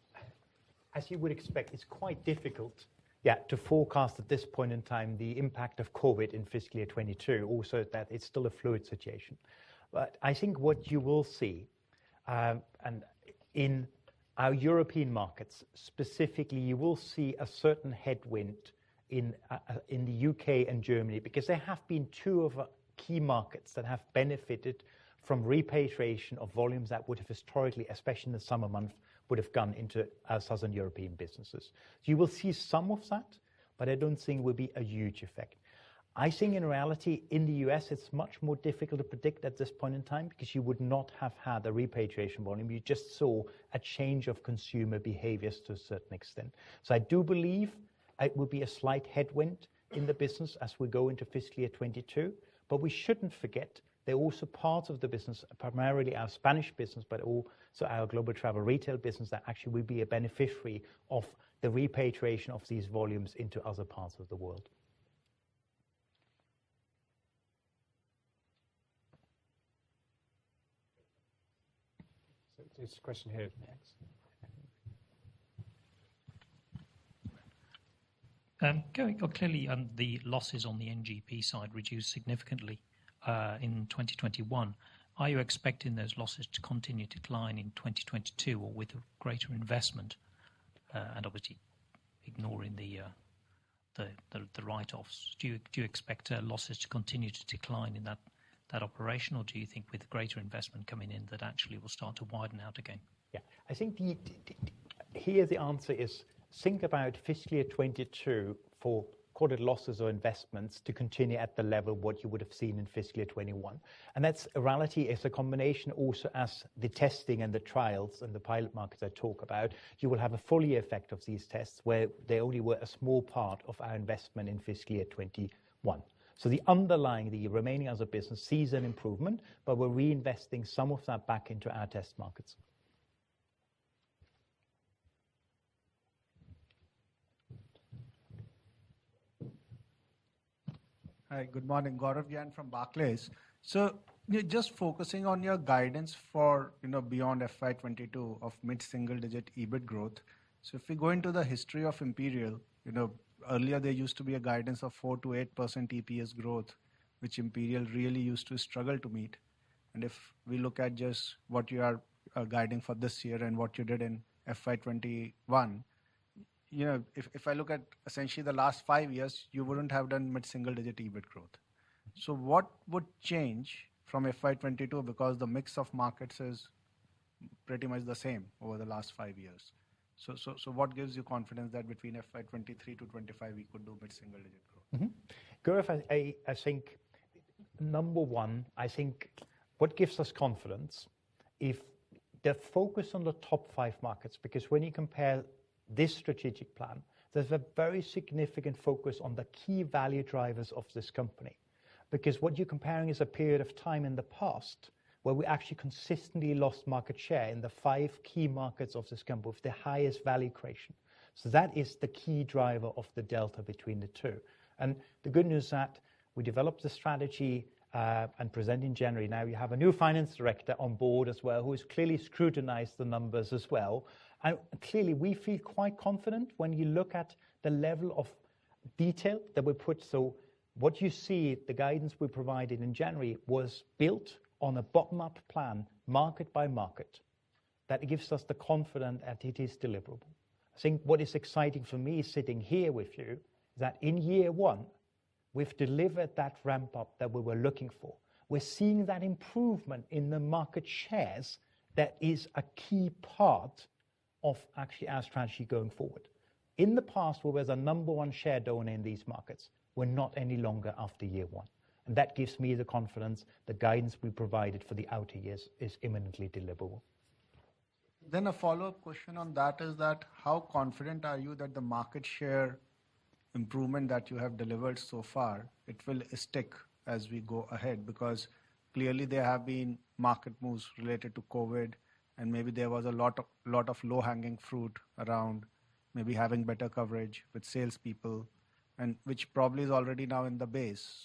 as you would expect, it's quite difficult, yeah, to forecast at this point in time the impact of COVID in fiscal year 2022, also that it's still a fluid situation. I think what you will see, and in our European markets, specifically, you will see a certain headwind in the U.K. and Germany, because they have been two of our key markets that have benefited from repatriation of volumes that would have historically, especially in the summer months, would have gone into our Southern European businesses. You will see some of that, but I don't think it will be a huge effect. I think in reality, in the U.S., it's much more difficult to predict at this point in time because you would not have had the repatriation volume. You just saw a change of consumer behaviors to a certain extent. I do believe it will be a slight headwind in the business as we go into fiscal year 2022. We shouldn't forget there are also parts of the business, primarily our Spanish business, but also our global travel retail business, that actually will be a beneficiary of the repatriation of these volumes into other parts of the world. There's a question here next. Clearly, the losses on the NGP side reduced significantly in 2021. Are you expecting those losses to continue to decline in 2022 or with a greater investment, and obviously ignoring the write-offs? Do you expect losses to continue to decline in that operation, or do you think with greater investment coming in, that actually will start to widen out again? I think the answer is think about fiscal year 2022 for quoted losses or investments to continue at the level what you would have seen in fiscal year 2021. That's a reality. It's a combination also as the testing and the trials and the pilot markets I talk about, you will have a full year effect of these tests where they only were a small part of our investment in fiscal year 2021. The underlying remaining as a business sees an improvement, but we're reinvesting some of that back into our test markets. Hi, good morning. Gaurav Jain from Barclays. Just focusing on your guidance for, you know, beyond FY 2022 of mid-single-digit EBIT growth. If we go into the history of Imperial, you know, earlier there used to be a guidance of 4%-8% EPS growth, which Imperial really used to struggle to meet. If we look at just what you are guiding for this year and what you did in FY 2021, you know, if I look at essentially the last five years, you wouldn't have done mid-single-digit EBIT growth. What would change from FY 2022? Because the mix of markets is pretty much the same over the last five years. What gives you confidence that between FY 2023 to 2025 we could do mid-single-digit growth? Gaurav, I think number one, I think what gives us confidence is the focus on the top five markets, because when you compare this strategic plan, there's a very significant focus on the key value drivers of this company. Because what you're comparing is a period of time in the past where we actually consistently lost market share in the five key markets of this company, with the highest value creation. That is the key driver of the delta between the two. The good news is that we developed the strategy and presented in January. Now we have a new finance director on board as well, who has clearly scrutinized the numbers as well. Clearly, we feel quite confident when you look at the level of detail that we put. What you see, the guidance we provided in January was built on a bottom-up plan, market by market, that gives us the confidence that it is deliverable. I think what is exciting for me sitting here with you is that in year one, we've delivered that ramp-up that we were looking for. We're seeing that improvement in the market shares that is a key part of actually our strategy going forward. In the past, we were the number one share donor in these markets. We're not any longer after year one, and that gives me the confidence the guidance we provided for the outer years is imminently deliverable. A follow-up question on that is that how confident are you that the market share improvement that you have delivered so far, it will stick as we go ahead? Because clearly there have been market moves related to COVID, and maybe there was a lot of low-hanging fruit around maybe having better coverage with salespeople and which probably is already now in the base.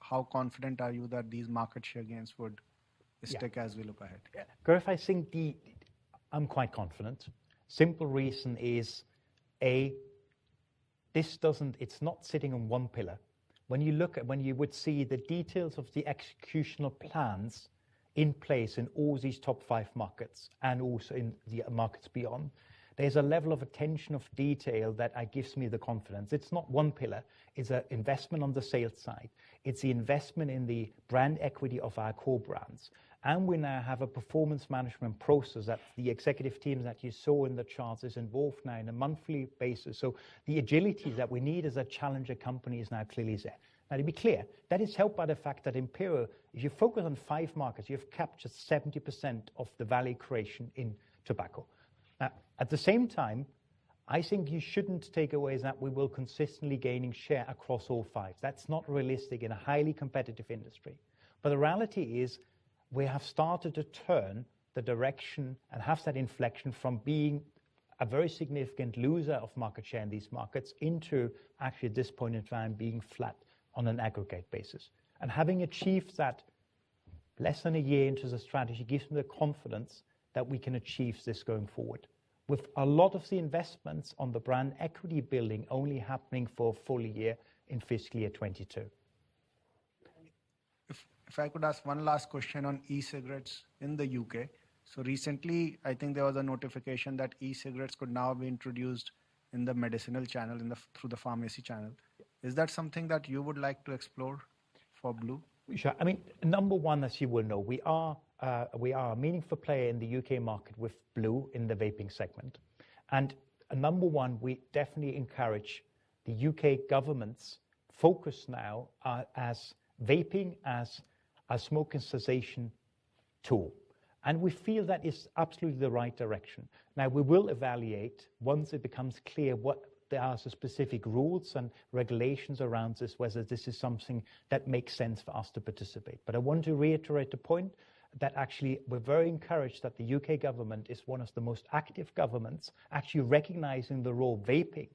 How confident are you that these market share gains would stick as we look ahead? Yeah. Gaurav, I think I'm quite confident. Simple reason is, A, It's not sitting on one pillar. When you would see the details of the executional plans in place in all these top five markets and also in the markets beyond, there's a level of attention to detail that gives me the confidence. It's not one pillar. It's an investment on the sales side. It's the investment in the brand equity of our core brands. We now have a performance management process that the executive team that you saw in the charts is involved now on a monthly basis. The agility that we need as a challenger company is now clearly there. Now, to be clear, that is helped by the fact that Imperial, if you focus on five markets, you've captured 70% of the value creation in tobacco. Now, at the same time, I think you shouldn't take away is that we will consistently gain share across all five. That's not realistic in a highly competitive industry. The reality is we have started to turn the direction and have that inflection from being a very significant loser of market share in these markets into actually at this point in time being flat on an aggregate basis. Having achieved that less than a year into the strategy gives me the confidence that we can achieve this going forward. With a lot of the investments on the brand equity building only happening for a full year in fiscal year 2022. If I could ask one last question on e-cigarettes in the U.K. Recently, I think there was a notification that e-cigarettes could now be introduced in the medicinal channel through the pharmacy channel. Is that something that you would like to explore for blu? Sure. I mean, number one, as you well know, we are a meaningful player in the U.K. market with blu in the vaping segment. Number one, we definitely encourage the U.K. government's focus now on vaping as a smoking cessation tool. We feel that is absolutely the right direction. Now, we will evaluate once it becomes clear what the specific rules and regulations around this, whether this is something that makes sense for us to participate. I want to reiterate the point that actually we're very encouraged that the U.K. government is one of the most active governments actually recognizing the role vaping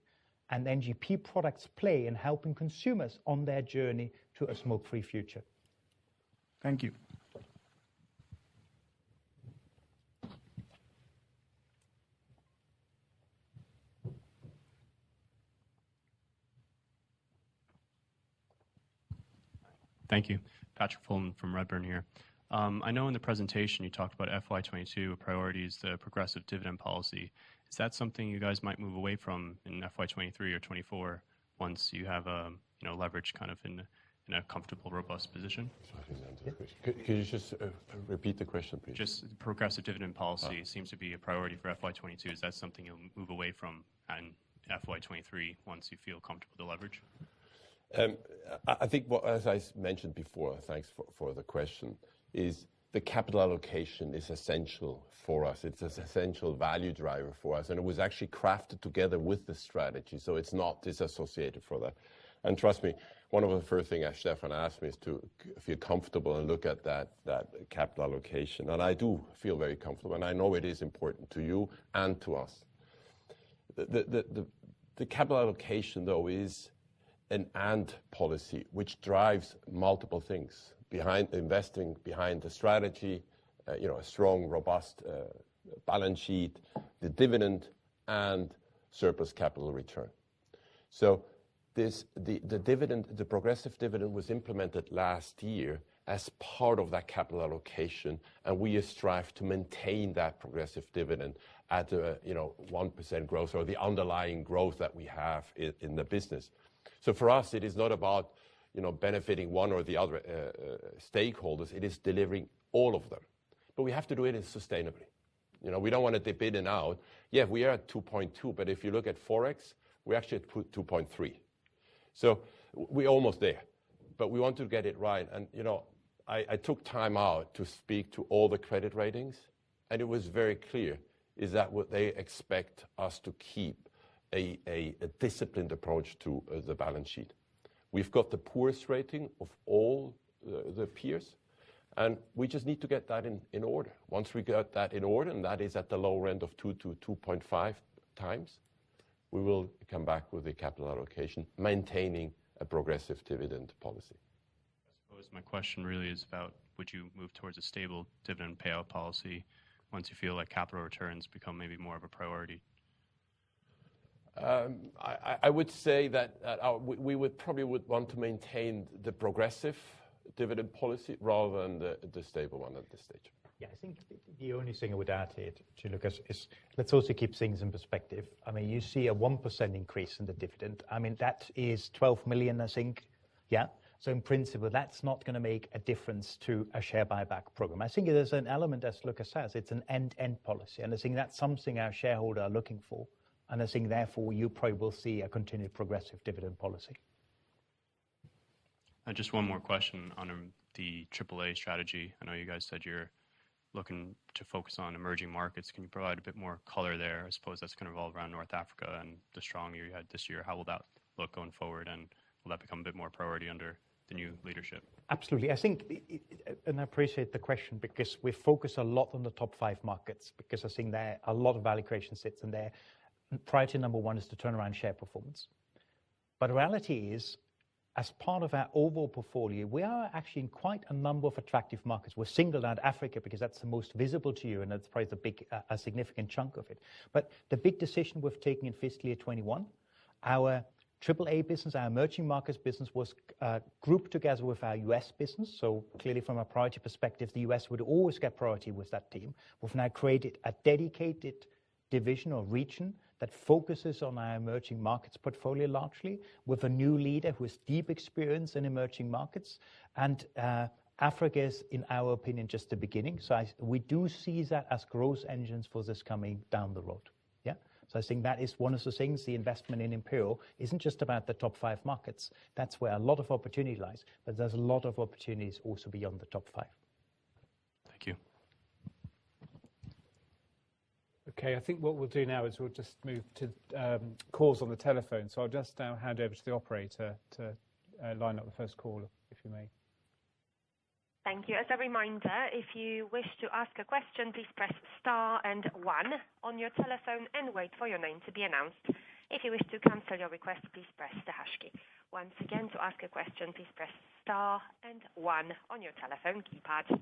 and NGP products play in helping consumers on their journey to a smoke-free future. Thank you. Thank you. Patrick Folan from Redburn here. I know in the presentation you talked about FY 2022 priorities, the progressive dividend policy. Is that something you guys might move away from in FY 2023 or FY 2024 once you have, you know, leverage kind of in a comfortable, robust position? Can you just, repeat the question, please? Just progressive dividend policy seems to be a priority for FY 2022. Is that something you'll move away from in FY 2023 once you feel comfortable with the leverage? As I mentioned before, thanks for the question. The capital allocation is essential for us. It's this essential value driver for us, and it was actually crafted together with the strategy. It's not disassociated from that. Trust me, one of the first thing as Stefan asked me is to feel comfortable and look at that capital allocation. I do feel very comfortable, and I know it is important to you and to us. The capital allocation though is an end policy which drives multiple things behind investing, behind the strategy, you know, a strong, robust balance sheet, the dividend and surplus capital return. The dividend, the progressive dividend was implemented last year as part of that capital allocation, and we strive to maintain that progressive dividend at a, you know, 1% growth or the underlying growth that we have in the business. For us, it is not about, you know, benefiting one or the other stakeholders, it is delivering all of them. We have to do it as sustainably. You know, we don't wanna dip in and out. Yeah, we are at 2.2, but if you look at Forex, we actually put 2.3. We're almost there, but we want to get it right. You know, I took time out to speak to all the credit ratings, and it was very clear, is that what they expect us to keep a disciplined approach to, the balance sheet. We've got the poorest rating of all the peers, and we just need to get that in order. Once we get that in order, and that is at the lower end of 2-2.5 times, we will come back with a capital allocation, maintaining a progressive dividend policy. I suppose my question really is about would you move towards a stable dividend payout policy once you feel like capital returns become maybe more of a priority? I would say that we would probably want to maintain the progressive dividend policy rather than the stable one at this stage. Yeah. I think the only thing I would add here to Lukas is let's also keep things in perspective. I mean, you see a 1% increase in the dividend. I mean, that is 12 million, I think. Yeah. So in principle, that's not gonna make a difference to a share buyback program. I think there's an element, as Lukas says, it's an end-to-end policy, and I think that's something our shareholder are looking for. I think therefore, you probably will see a continued progressive dividend policy. Just one more question on the AAA strategy. I know you guys said you're looking to focus on emerging markets. Can you provide a bit more color there? I suppose that's kind of all around North Africa and the strong year you had this year. How will that look going forward, and will that become a bit more priority under the new leadership? Absolutely. I think I appreciate the question because we focus a lot on the top 5 markets, because I think there, a lot of value creation sits in there. Priority number 1 is to turn around share performance. Reality is, as part of our overall portfolio, we are actually in quite a number of attractive markets. We singled out Africa because that's the most visible to you, and that's probably the big, a significant chunk of it. The big decision we've taken in fiscal year 2021, our AAA business, our emerging markets business was grouped together with our U.S. business. Clearly from a priority perspective, the U.S. would always get priority with that team. We've now created a dedicated division or region that focuses on our emerging markets portfolio largely, with a new leader who has deep experience in emerging markets. Africa is, in our opinion, just the beginning. We do see that as growth engines for this coming down the road. Yeah. I think that is one of the things, the investment in Imperial isn't just about the top five markets. That's where a lot of opportunity lies, but there's a lot of opportunities also beyond the top five. Thank you. Okay. I think what we'll do now is we'll just move to calls on the telephone. I'll just now hand over to the operator to line up the first call, if you may. Thank you as a reminder if you wish to ask a question. Please press star and one on your telephone and wait for your name to be announced if you wish to cancel your request, Please press the hash key. Once again, to ask question, Please press star and one on your telephone keypad.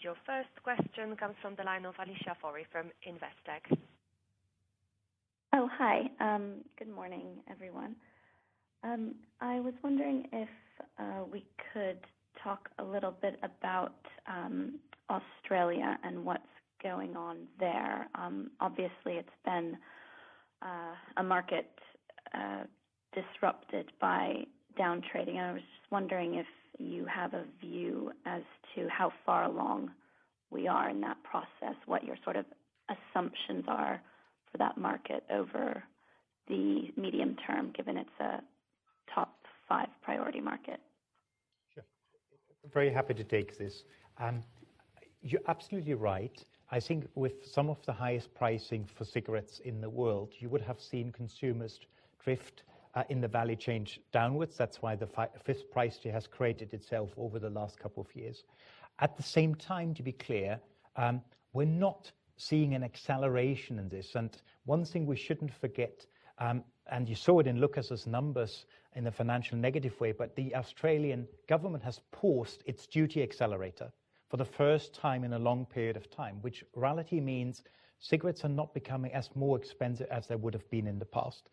Your first question comes from the line of Alicia Forry from Investec. hi. Good morning, everyone. I was wondering if we could talk a little bit about Australia and what's going on there. Obviously, it's been a market disrupted by down trading. I was just wondering if you have a view as to how far along we are in that process, what your sort of assumptions are for that market over the medium term, given it's a top five priority market. Sure. Very happy to take this. You're absolutely right. I think with some of the highest pricing for cigarettes in the world, you would have seen consumers drift in the value change downwards. That's why the fifth price tier has created itself over the last couple of years. At the same time, to be clear, we're not seeing an acceleration in this. One thing we shouldn't forget, and you saw it in Lukas' numbers in the financial negative way, but the Australian government has paused its duty accelerator for the first time in a long period of time, which in reality means cigarettes are not becoming any more expensive as they would have been in the past.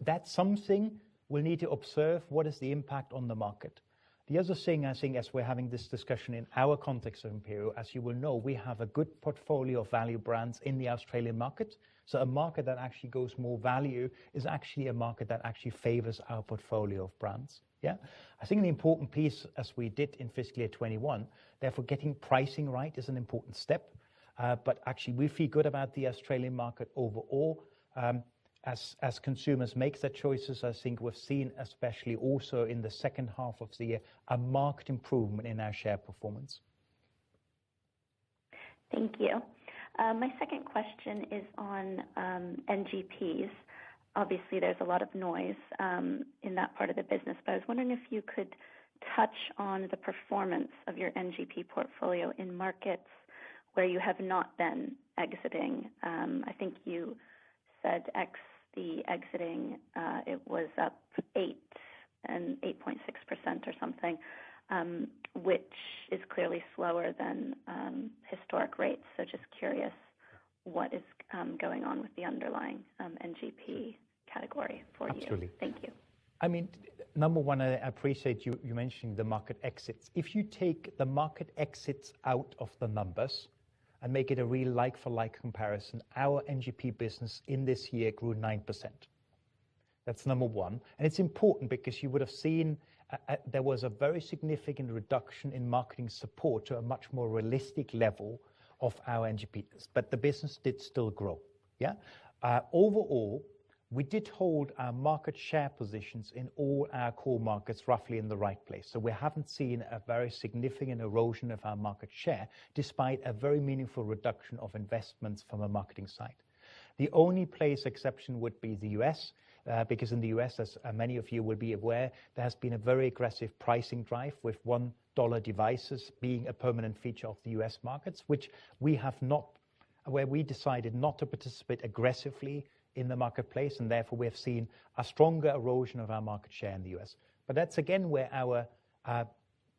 That's something we'll need to observe what is the impact on the market. The other thing I think as we're having this discussion in our context of Imperial, as you will know, we have a good portfolio of value brands in the Australian market. A market that actually goes more value is actually a market that actually favors our portfolio of brands. Yeah. I think an important piece, as we did in fiscal year 2021, therefore, getting pricing right is an important step. Actually, we feel good about the Australian market overall. As consumers make their choices, I think we've seen, especially also in the second half of the year, a marked improvement in our share performance. Thank you. My second question is on NGPs. Obviously, there's a lot of noise in that part of the business, but I was wondering if you could touch on the performance of your NGP portfolio in markets where you have not been exiting. I think you said the exiting, it was up 8 and 8.6% or something, which is clearly slower than historic rates. Just curious what is going on with the underlying NGP category for you? Absolutely. Thank you. I mean, number one, I appreciate you mentioning the market exits. If you take the market exits out of the numbers and make it a real like-for-like comparison, our NGP business in this year grew 9%. That's number one. It's important because you would have seen, there was a very significant reduction in marketing support to a much more realistic level of our NGP business. But the business did still grow. Overall, we did hold our market share positions in all our core markets roughly in the right place. We haven't seen a very significant erosion of our market share despite a very meaningful reduction of investments from a marketing side. The only place exception would be the U.S., because in the U.S., as many of you will be aware, there has been a very aggressive pricing drive with $1 devices being a permanent feature of the U.S. markets, where we decided not to participate aggressively in the marketplace, and therefore we have seen a stronger erosion of our market share in the U.S. That's again where our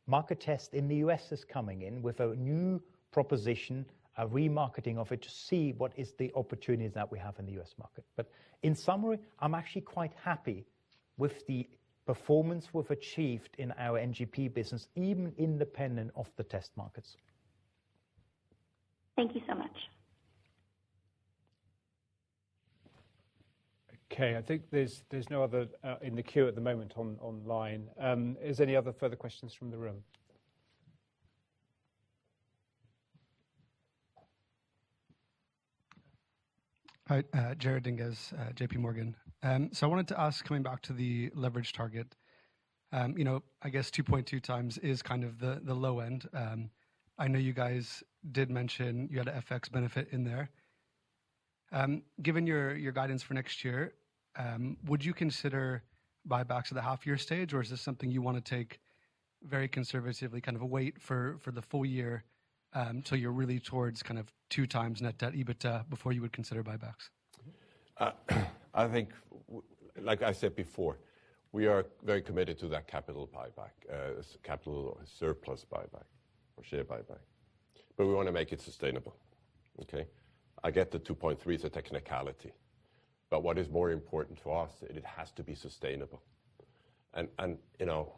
market test in the U.S. is coming in with a new proposition, a remarketing of it to see what is the opportunities that we have in the U.S. market. In summary, I'm actually quite happy with the performance we've achieved in our NGP business, even independent of the test markets. Thank you so much. Okay. I think there's no other in the queue at the moment online. Is there any other further questions from the room? Hi. Jared Dinges, JPMorgan. So I wanted to ask, coming back to the leverage target, you know, I guess 2.2 times is kind of the low end. I know you guys did mention you had an FX benefit in there. Given your guidance for next year, would you consider buybacks at the half year stage, or is this something you wanna take very conservatively, kind of wait for the full year, till you're really towards kind of 2 times net debt EBITDA before you would consider buybacks? I think, like I said before, we are very committed to that capital buyback, capital surplus buyback or share buyback, but we wanna make it sustainable. Okay? I get the 2.3 is a technicality, but what is more important to us, it has to be sustainable. You know,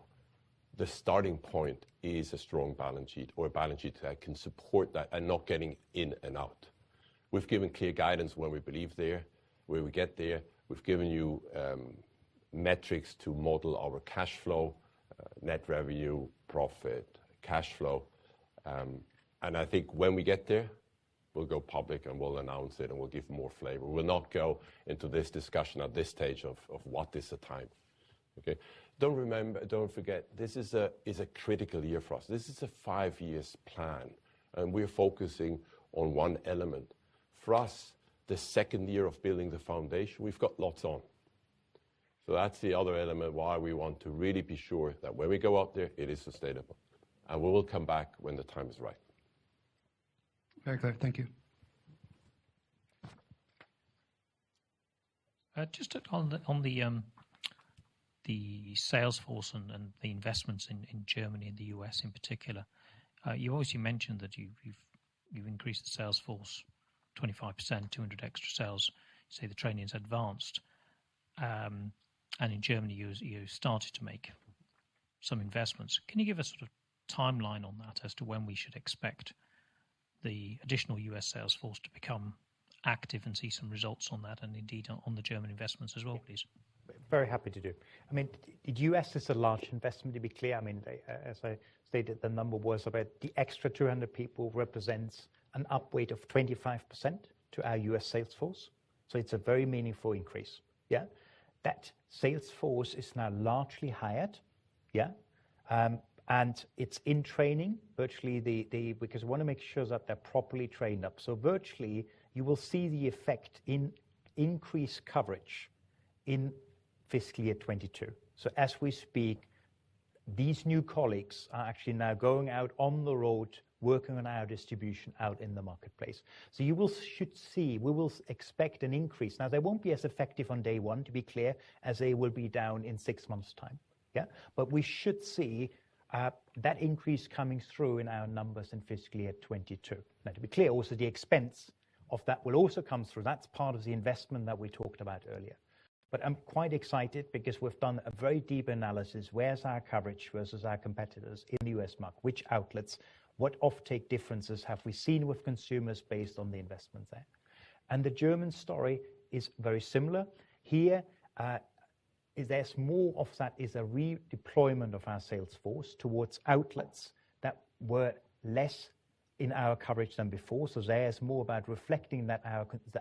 the starting point is a strong balance sheet or a balance sheet that can support that and not getting in and out. We've given clear guidance when we believe there, where we get there. We've given you metrics to model our cash flow, net revenue, profit, cash flow. I think when we get there, we'll go public, and we'll announce it, and we'll give more flavor. We'll not go into this discussion at this stage of what is the time. Okay? Don't remember. Don't forget, this is a critical year for us. This is a five years plan, and we're focusing on one element. For us, the second year of building the foundation, we've got lots on. That's the other element why we want to really be sure that when we go out there, it is sustainable, and we will come back when the time is right. Very clear. Thank you. Just on the sales force and the investments in Germany and the U.S. in particular, you obviously mentioned that you've increased the sales force 25%, 200 extra sales. Say the training is advanced. In Germany, you started to make some investments. Can you give a sort of timeline on that as to when we should expect the additional U.S. sales force to become active and see some results on that, and indeed on the German investments as well, please? Very happy to do. I mean, the U.S. is a large investment, to be clear. I mean, they, as I stated, the number was about the extra 200 people represents an upweight of 25% to our U.S. sales force. It's a very meaningful increase. Yeah. That sales force is now largely hired. Yeah. And it's in training. Virtually, because we wanna make sure that they're properly trained up. Virtually, you will see the effect in increased coverage in fiscal year 2022. As we speak, these new colleagues are actually now going out on the road, working on our distribution out in the marketplace. You will should see, we will expect an increase. Now they won't be as effective on day one, to be clear, as they will be down in six months time. Yeah. We should see that increase coming through in our numbers in fiscal year 2022. Now to be clear, also the expense of that will also come through. That's part of the investment that we talked about earlier. I'm quite excited because we've done a very deep analysis. Where's our coverage versus our competitors in the U.S. market? Which outlets? What offtake differences have we seen with consumers based on the investments there? The German story is very similar. Here, there's more of that is a redeployment of our sales force towards outlets that were less in our coverage than before. There's more about reflecting that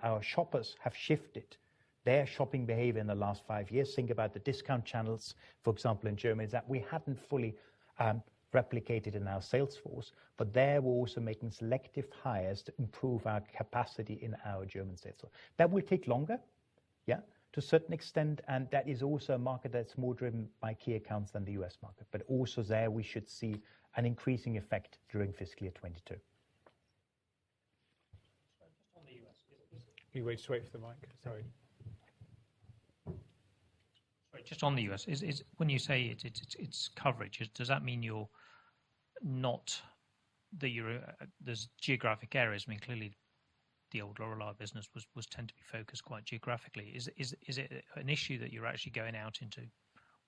our shoppers have shifted their shopping behavior in the last five years. Think about the discount channels, for example, in Germany, that we hadn't fully replicated in our sales force. There, we're also making selective hires to improve our capacity in our German sales force. That will take longer. Yeah, to a certain extent, and that is also a market that's more driven by key accounts than the U.S. market. Also there, we should see an increasing effect during fiscal year 2022. On the U.S., is, is- Can you wait for the mic? Sorry. Sorry, just on the U.S. When you say it's coverage, does that mean there's geographic areas? I mean, clearly the old Lorillard business tended to be focused quite geographically. Is it an issue that you're actually going out into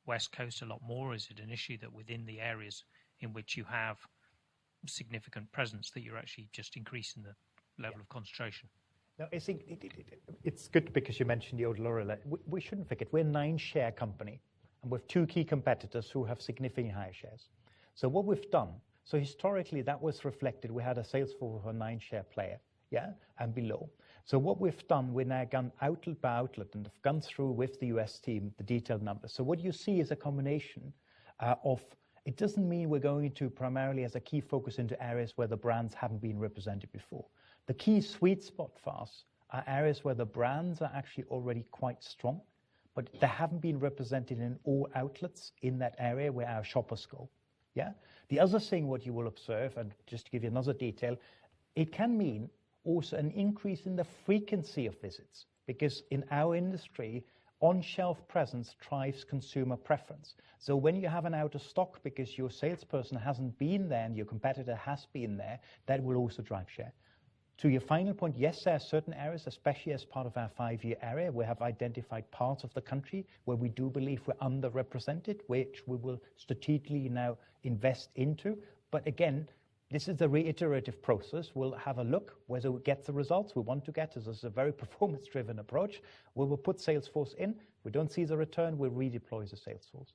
West Coast a lot more? Is it an issue that within the areas in which you have significant presence that you're actually just increasing the level of concentration? No, I think it's good because you mentioned the old Lorillard. We shouldn't forget we're a nine-share company, and we have two key competitors who have significantly higher shares. What we've done, historically that was reflected. We had a sales force of a nine-share player, yeah, and below. What we've done, we've now gone outlet by outlet and have gone through with the U.S. team, the detailed numbers. What you see is a combination of. It doesn't mean we're going to primarily as a key focus into areas where the brands haven't been represented before. The key sweet spot for us are areas where the brands are actually already quite strong, but they haven't been represented in all outlets in that area where our shoppers go. Yeah? The other thing, what you will observe, and just to give you another detail, it can mean also an increase in the frequency of visits, because in our industry, on-shelf presence drives consumer preference. When you have an out of stock, because your salesperson hasn't been there and your competitor has been there, that will also drive share. To your final point, yes, there are certain areas, especially as part of our five-year plan, we have identified parts of the country where we do believe we're underrepresented, which we will strategically now invest into. Again, this is an iterative process. We'll have a look whether we get the results we want to get. This is a very performance-driven approach. We will put sales force in. We don't see the return, we'll redeploy the sales force.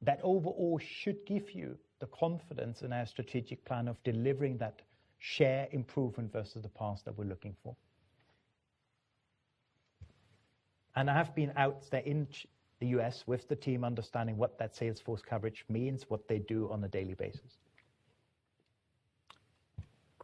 That overall should give you the confidence in our strategic plan of delivering that share improvement versus the past that we're looking for. I have been out there in the U.S. with the team understanding what that sales force coverage means, what they do on a daily basis.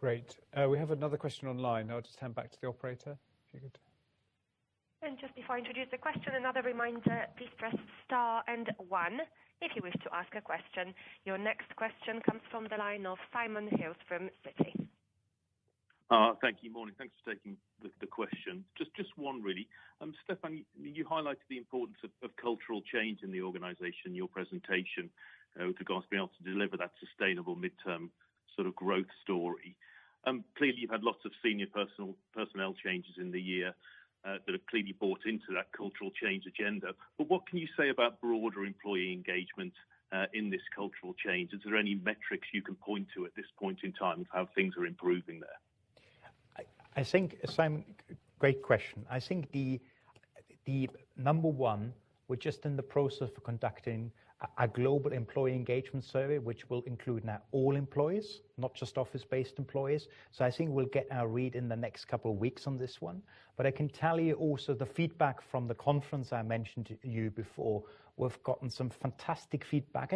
Great. We have another question online. I'll just hand back to the operator. If you could. Just before I introduce the question, another reminder, please press star and one if you wish to ask a question. Your next question comes from the line of Simon Hales from Citi. Thank you. Morning. Thanks for taking the question. Just one really. Stefan, you highlighted the importance of cultural change in the organization, your presentation, to guys being able to deliver that sustainable midterm sort of growth story. Clearly you've had lots of senior personnel changes in the year that have clearly bought into that cultural change agenda. What can you say about broader employee engagement in this cultural change? Is there any metrics you can point to at this point in time of how things are improving there? I think, Simon, great question. I think the number one, we're just in the process of conducting a global employee engagement survey, which will include now all employees, not just office-based employees. I think we'll get our read in the next couple of weeks on this one. I can tell you also the feedback from the conference I mentioned to you before, we've gotten some fantastic feedback.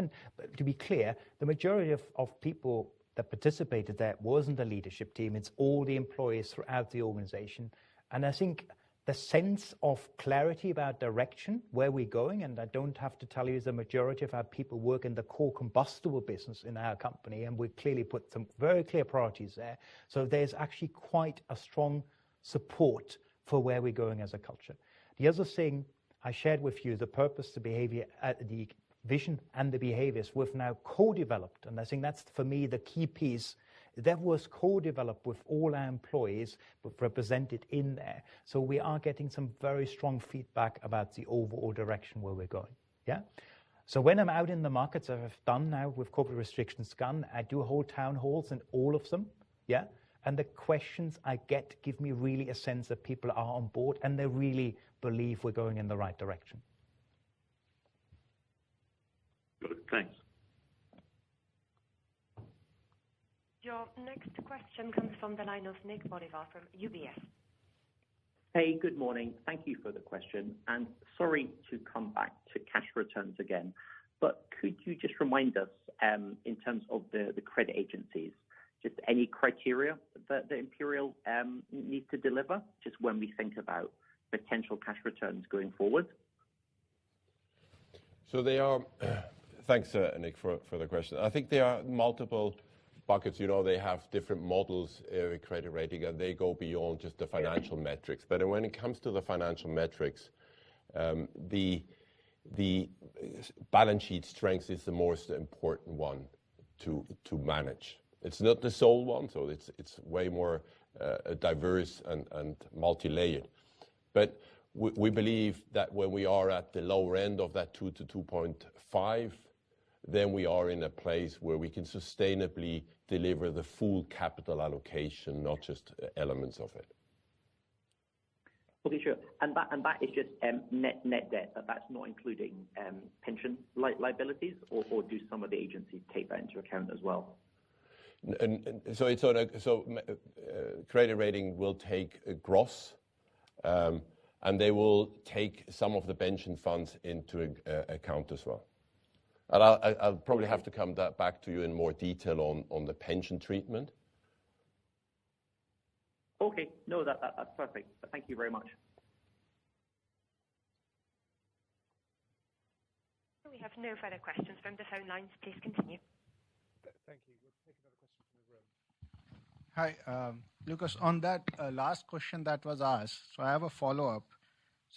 To be clear, the majority of people that participated there wasn't a leadership team. It's all the employees throughout the organization. I think the sense of clarity about direction, where we're going, and I don't have to tell you, the majority of our people work in the core combustible business in our company, and we've clearly put some very clear priorities there. There's actually quite a strong support for where we're going as a culture. The other thing I shared with you, the purpose to behavior, the vision and the behaviors we've now co-developed, and I think that's for me, the key piece that was co-developed with all our employees represented in there. We are getting some very strong feedback about the overall direction where we're going. Yeah? When I'm out in the markets, I have done now with corporate restrictions gone, I do whole town halls in all of them, yeah. The questions I get give me really a sense that people are on board, and they really believe we're going in the right direction. Good. Thanks. Your next question comes from the line of Nik Oliver from UBS. Hey, good morning. Thank you for the question, and sorry to come back to cash returns again, but could you just remind us, in terms of the credit agencies, just any criteria that the Imperial need to deliver, just when we think about potential cash returns going forward? Thanks, Nik for the question. I think there are multiple buckets. You know, they have different models, credit rating, and they go beyond just the financial metrics. When it comes to the financial metrics, the balance sheet strength is the most important one to manage. It's not the sole one, so it's way more diverse and multilayered. We believe that when we are at the lower end of that 2-2.5, then we are in a place where we can sustainably deliver the full capital allocation, not just elements of it. Okay, sure. That is just net debt, but that's not including pension liabilities or do some of the agencies take that into account as well? Credit rating will take a gross, and they will take some of the pension funds into account as well. I'll probably have to come back to you in more detail on the pension treatment. Okay. No, that's perfect. Thank you very much. We have no further questions from the phone lines. Please continue. Thank you. We'll take another question from the room. Hi, Lukas, on that last question that was asked, I have a follow-up.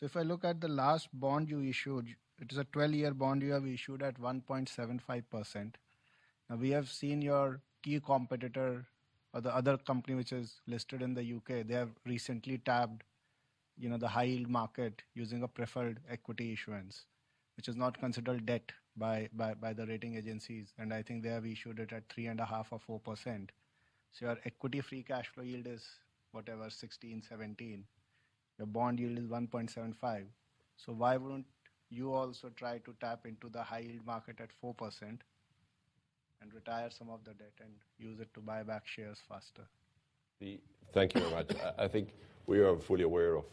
If I look at the last bond you issued, it is a 12-year bond you have issued at 1.75%. Now, we have seen your key competitor or the other company which is listed in the U.K., they have recently tapped, you know, the high-yield market using a preferred equity issuance. Which is not considered debt by the rating agencies, and I think they have issued it at 3.5% or 4%. Your equity free cash flow yield is whatever, 16, 17. Your bond yield is 1.75%. Why wouldn't you also try to tap into the high-yield market at 4% and retire some of the debt and use it to buy back shares faster? Thank you very much. I think we are fully aware of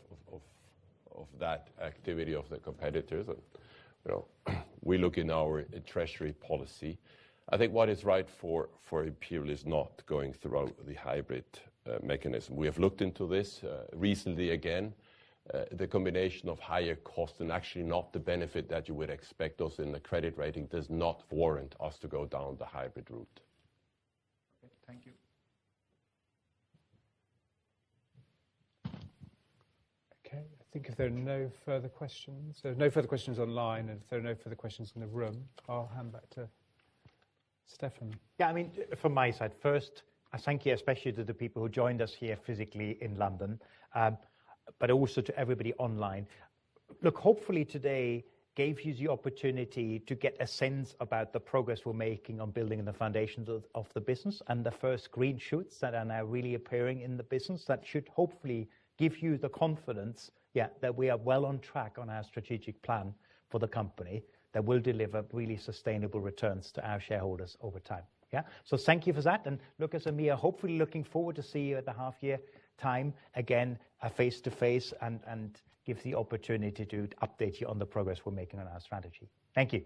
that activity of the competitors. You know, we look in our treasury policy. I think what is right for Imperial is not going through the hybrid mechanism. We have looked into this recently, again. The combination of higher costs and actually not the benefit that you would expect for us in the credit rating does not warrant us to go down the hybrid route. Okay. Thank you. Okay. I think if there are no further questions. There are no further questions online, and if there are no further questions in the room, I'll hand back to Stefan. Yeah, I mean, from my side, first, a thank you especially to the people who joined us here physically in London. But also to everybody online. Look, hopefully today gave you the opportunity to get a sense about the progress we're making on building the foundations of the business and the first green shoots that are now really appearing in the business that should hopefully give you the confidence, yeah, that we are well on track on our strategic plan for the company that will deliver really sustainable returns to our shareholders over time. Yeah? Thank you for that. Lukas and me are hopefully looking forward to see you at the half year time, again, face-to-face and give the opportunity to update you on the progress we're making on our strategy. Thank you.